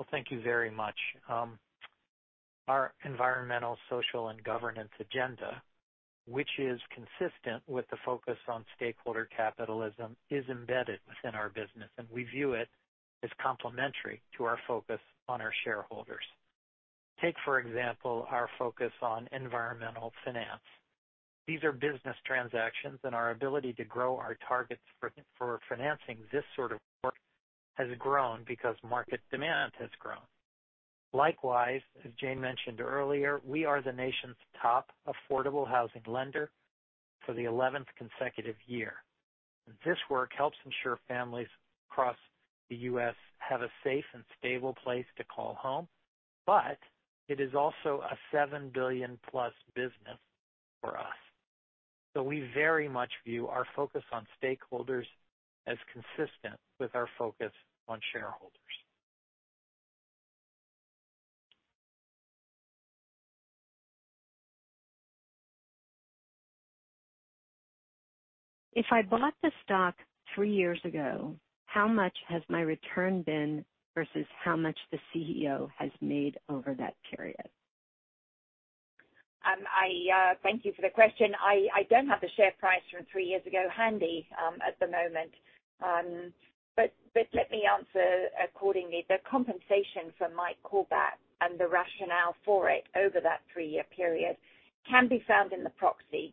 Well, thank you very much. Our environmental, social, and governance agenda, which is consistent with the focus on stakeholder capitalism, is embedded within our business, and we view it as complementary to our focus on our shareholders. Take, for example, our focus on environmental finance. These are business transactions, and our ability to grow our targets for financing this sort of work has grown because market demand has grown. Likewise, as Jane mentioned earlier, we are the nation's top affordable housing lender for the 11th consecutive year. This work helps ensure families across the U.S. have a safe and stable place to call home, but it is also a $7+ billion business for us. We very much view our focus on stakeholders as consistent with our focus on shareholders. If I bought the stock three years ago, how much has my return been versus how much the CEO has made over that period? I thank you for the question. I don't have the share price from three years ago handy at the moment. Let me answer accordingly. The compensation for Mike Corbat and the rationale for it over that three-year period can be found in the proxy.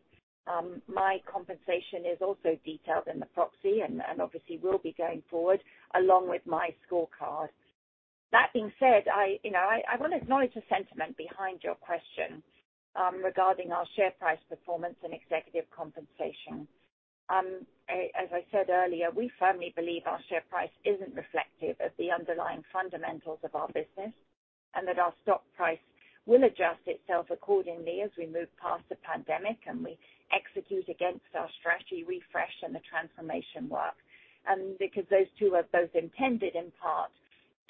My compensation is also detailed in the proxy, and obviously will be going forward, along with my scorecard. That being said, I want to acknowledge the sentiment behind your question regarding our share price performance and executive compensation. As I said earlier, we firmly believe our share price isn't reflective of the underlying fundamentals of our business, and that our stock price will adjust itself accordingly as we move past the pandemic and we execute against our strategy refresh and the transformation work. Those two are both intended, in part,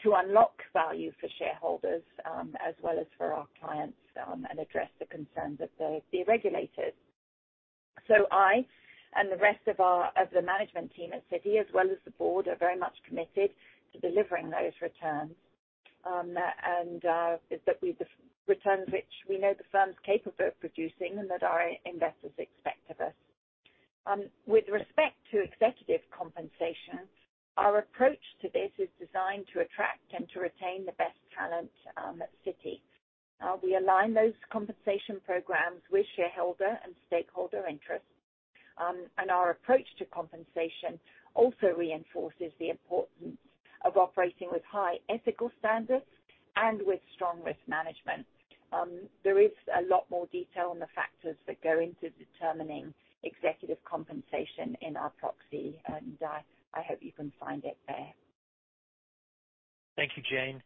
to unlock value for shareholders, as well as for our clients, and address the concerns of the regulators. I and the rest of the management team at Citi, as well as the Board, are very much committed to delivering those returns, the returns which we know the firm's capable of producing, and that our investors expect of us. With respect to executive compensation, our approach to this is designed to attract and to retain the best talent at Citi. We align those compensation programs with shareholder and stakeholder interests. Our approach to compensation also reinforces the importance of operating with high ethical standards and with strong risk management. There is a lot more detail on the factors that go into determining executive compensation in our proxy, and I hope you can find it there. Thank you, Jane.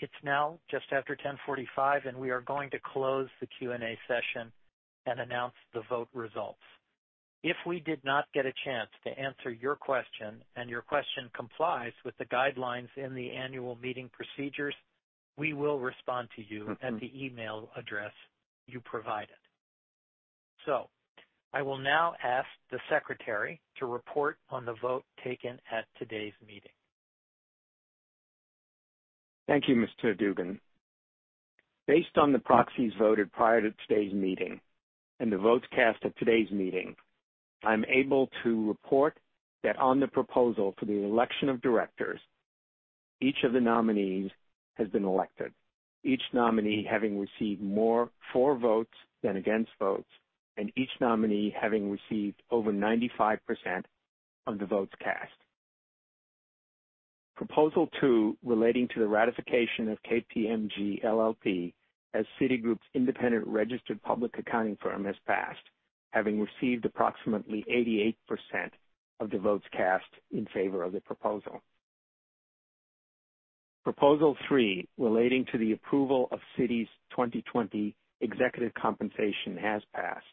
It's now just after 10:45 A.M and we are going to close the Q&A session and announce the vote results. If we did not get a chance to answer your question, and your question complies with the guidelines in the Annual Meeting procedures, we will respond to you at the email address you provided. I will now ask the Secretary to report on the vote taken at today's meeting. Thank you, Mr. Dugan. Based on the proxies voted prior to today's meeting and the votes cast at today's meeting, I'm able to report that on the proposal for the election of directors, each of the nominees has been elected, each nominee having received more for votes than against votes, and each nominee having received over 95% of the votes cast. Proposal 2, relating to the ratification of KPMG LLP as Citigroup's independent registered public accounting firm, has passed, having received approximately 88% of the votes cast in favor of the proposal. Proposal 3, relating to the approval of Citi's 2020 executive compensation, has passed,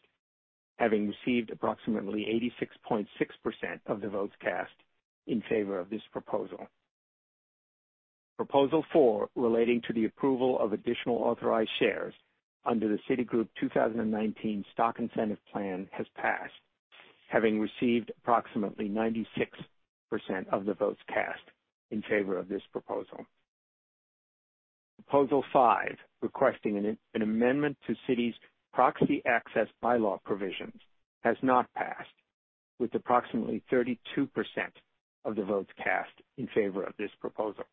having received approximately 86.6% of the votes cast in favor of this proposal. Proposal 4, relating to the approval of additional authorized shares under the Citigroup 2019 Stock Incentive Plan, has passed, having received approximately 96% of the votes cast in favor of this proposal. Proposal 5, requesting an amendment to Citi's proxy access bylaw provisions, has not passed, with approximately 32% of the votes cast in favor of this proposal.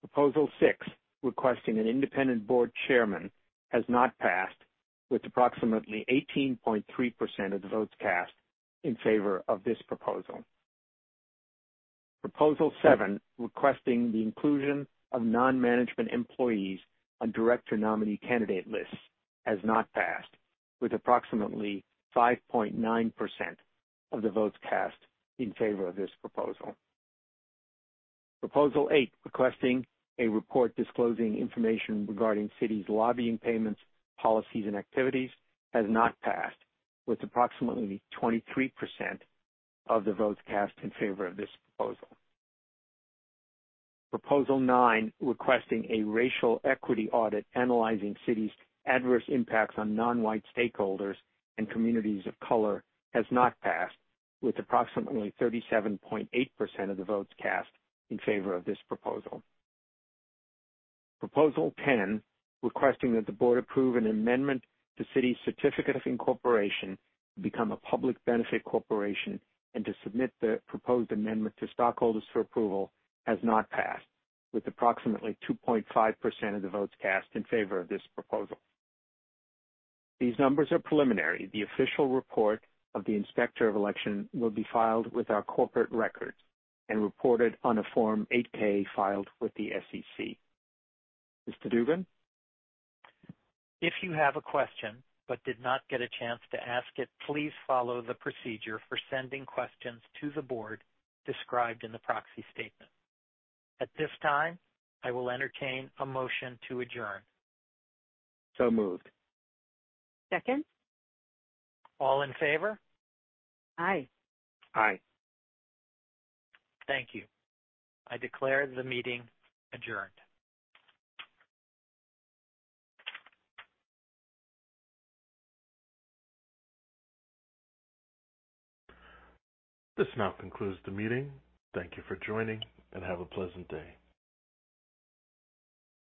Proposal 6, requesting an Independent Board Chairman, has not passed, with approximately 18.3% of the votes cast in favor of this proposal. Proposal 7, requesting the inclusion of non-management employees on Director nominee candidate lists, has not passed, with approximately 5.9% of the votes cast in favor of this proposal. Proposal 8, requesting a report disclosing information regarding Citi's lobbying payments, policies, and activities, has not passed, with approximately 23% of the votes cast in favor of this proposal. Proposal 9, requesting a racial equity audit analyzing Citi's adverse impacts on non-white stakeholders and communities of color, has not passed, with approximately 37.8% of the votes cast in favor of this proposal. Proposal 10, requesting that the Board approve an amendment to Citi's certificate of incorporation to become a public benefit corporation and to submit the proposed amendment to stockholders for approval, has not passed, with approximately 2.5% of the votes cast in favor of this proposal. These numbers are preliminary. The official report of the inspector of election will be filed with our corporate records and reported on a Form 8-K filed with the SEC. Mr. Dugan? If you have a question but did not get a chance to ask it, please follow the procedure for sending questions to the Board described in the Proxy Statement. At this time, I will entertain a motion to adjourn. Moved. Second. All in favor? Aye. Aye. Thank you. I declare the meeting adjourned. This now concludes the meeting. Thank you for joining, and have a pleasant day.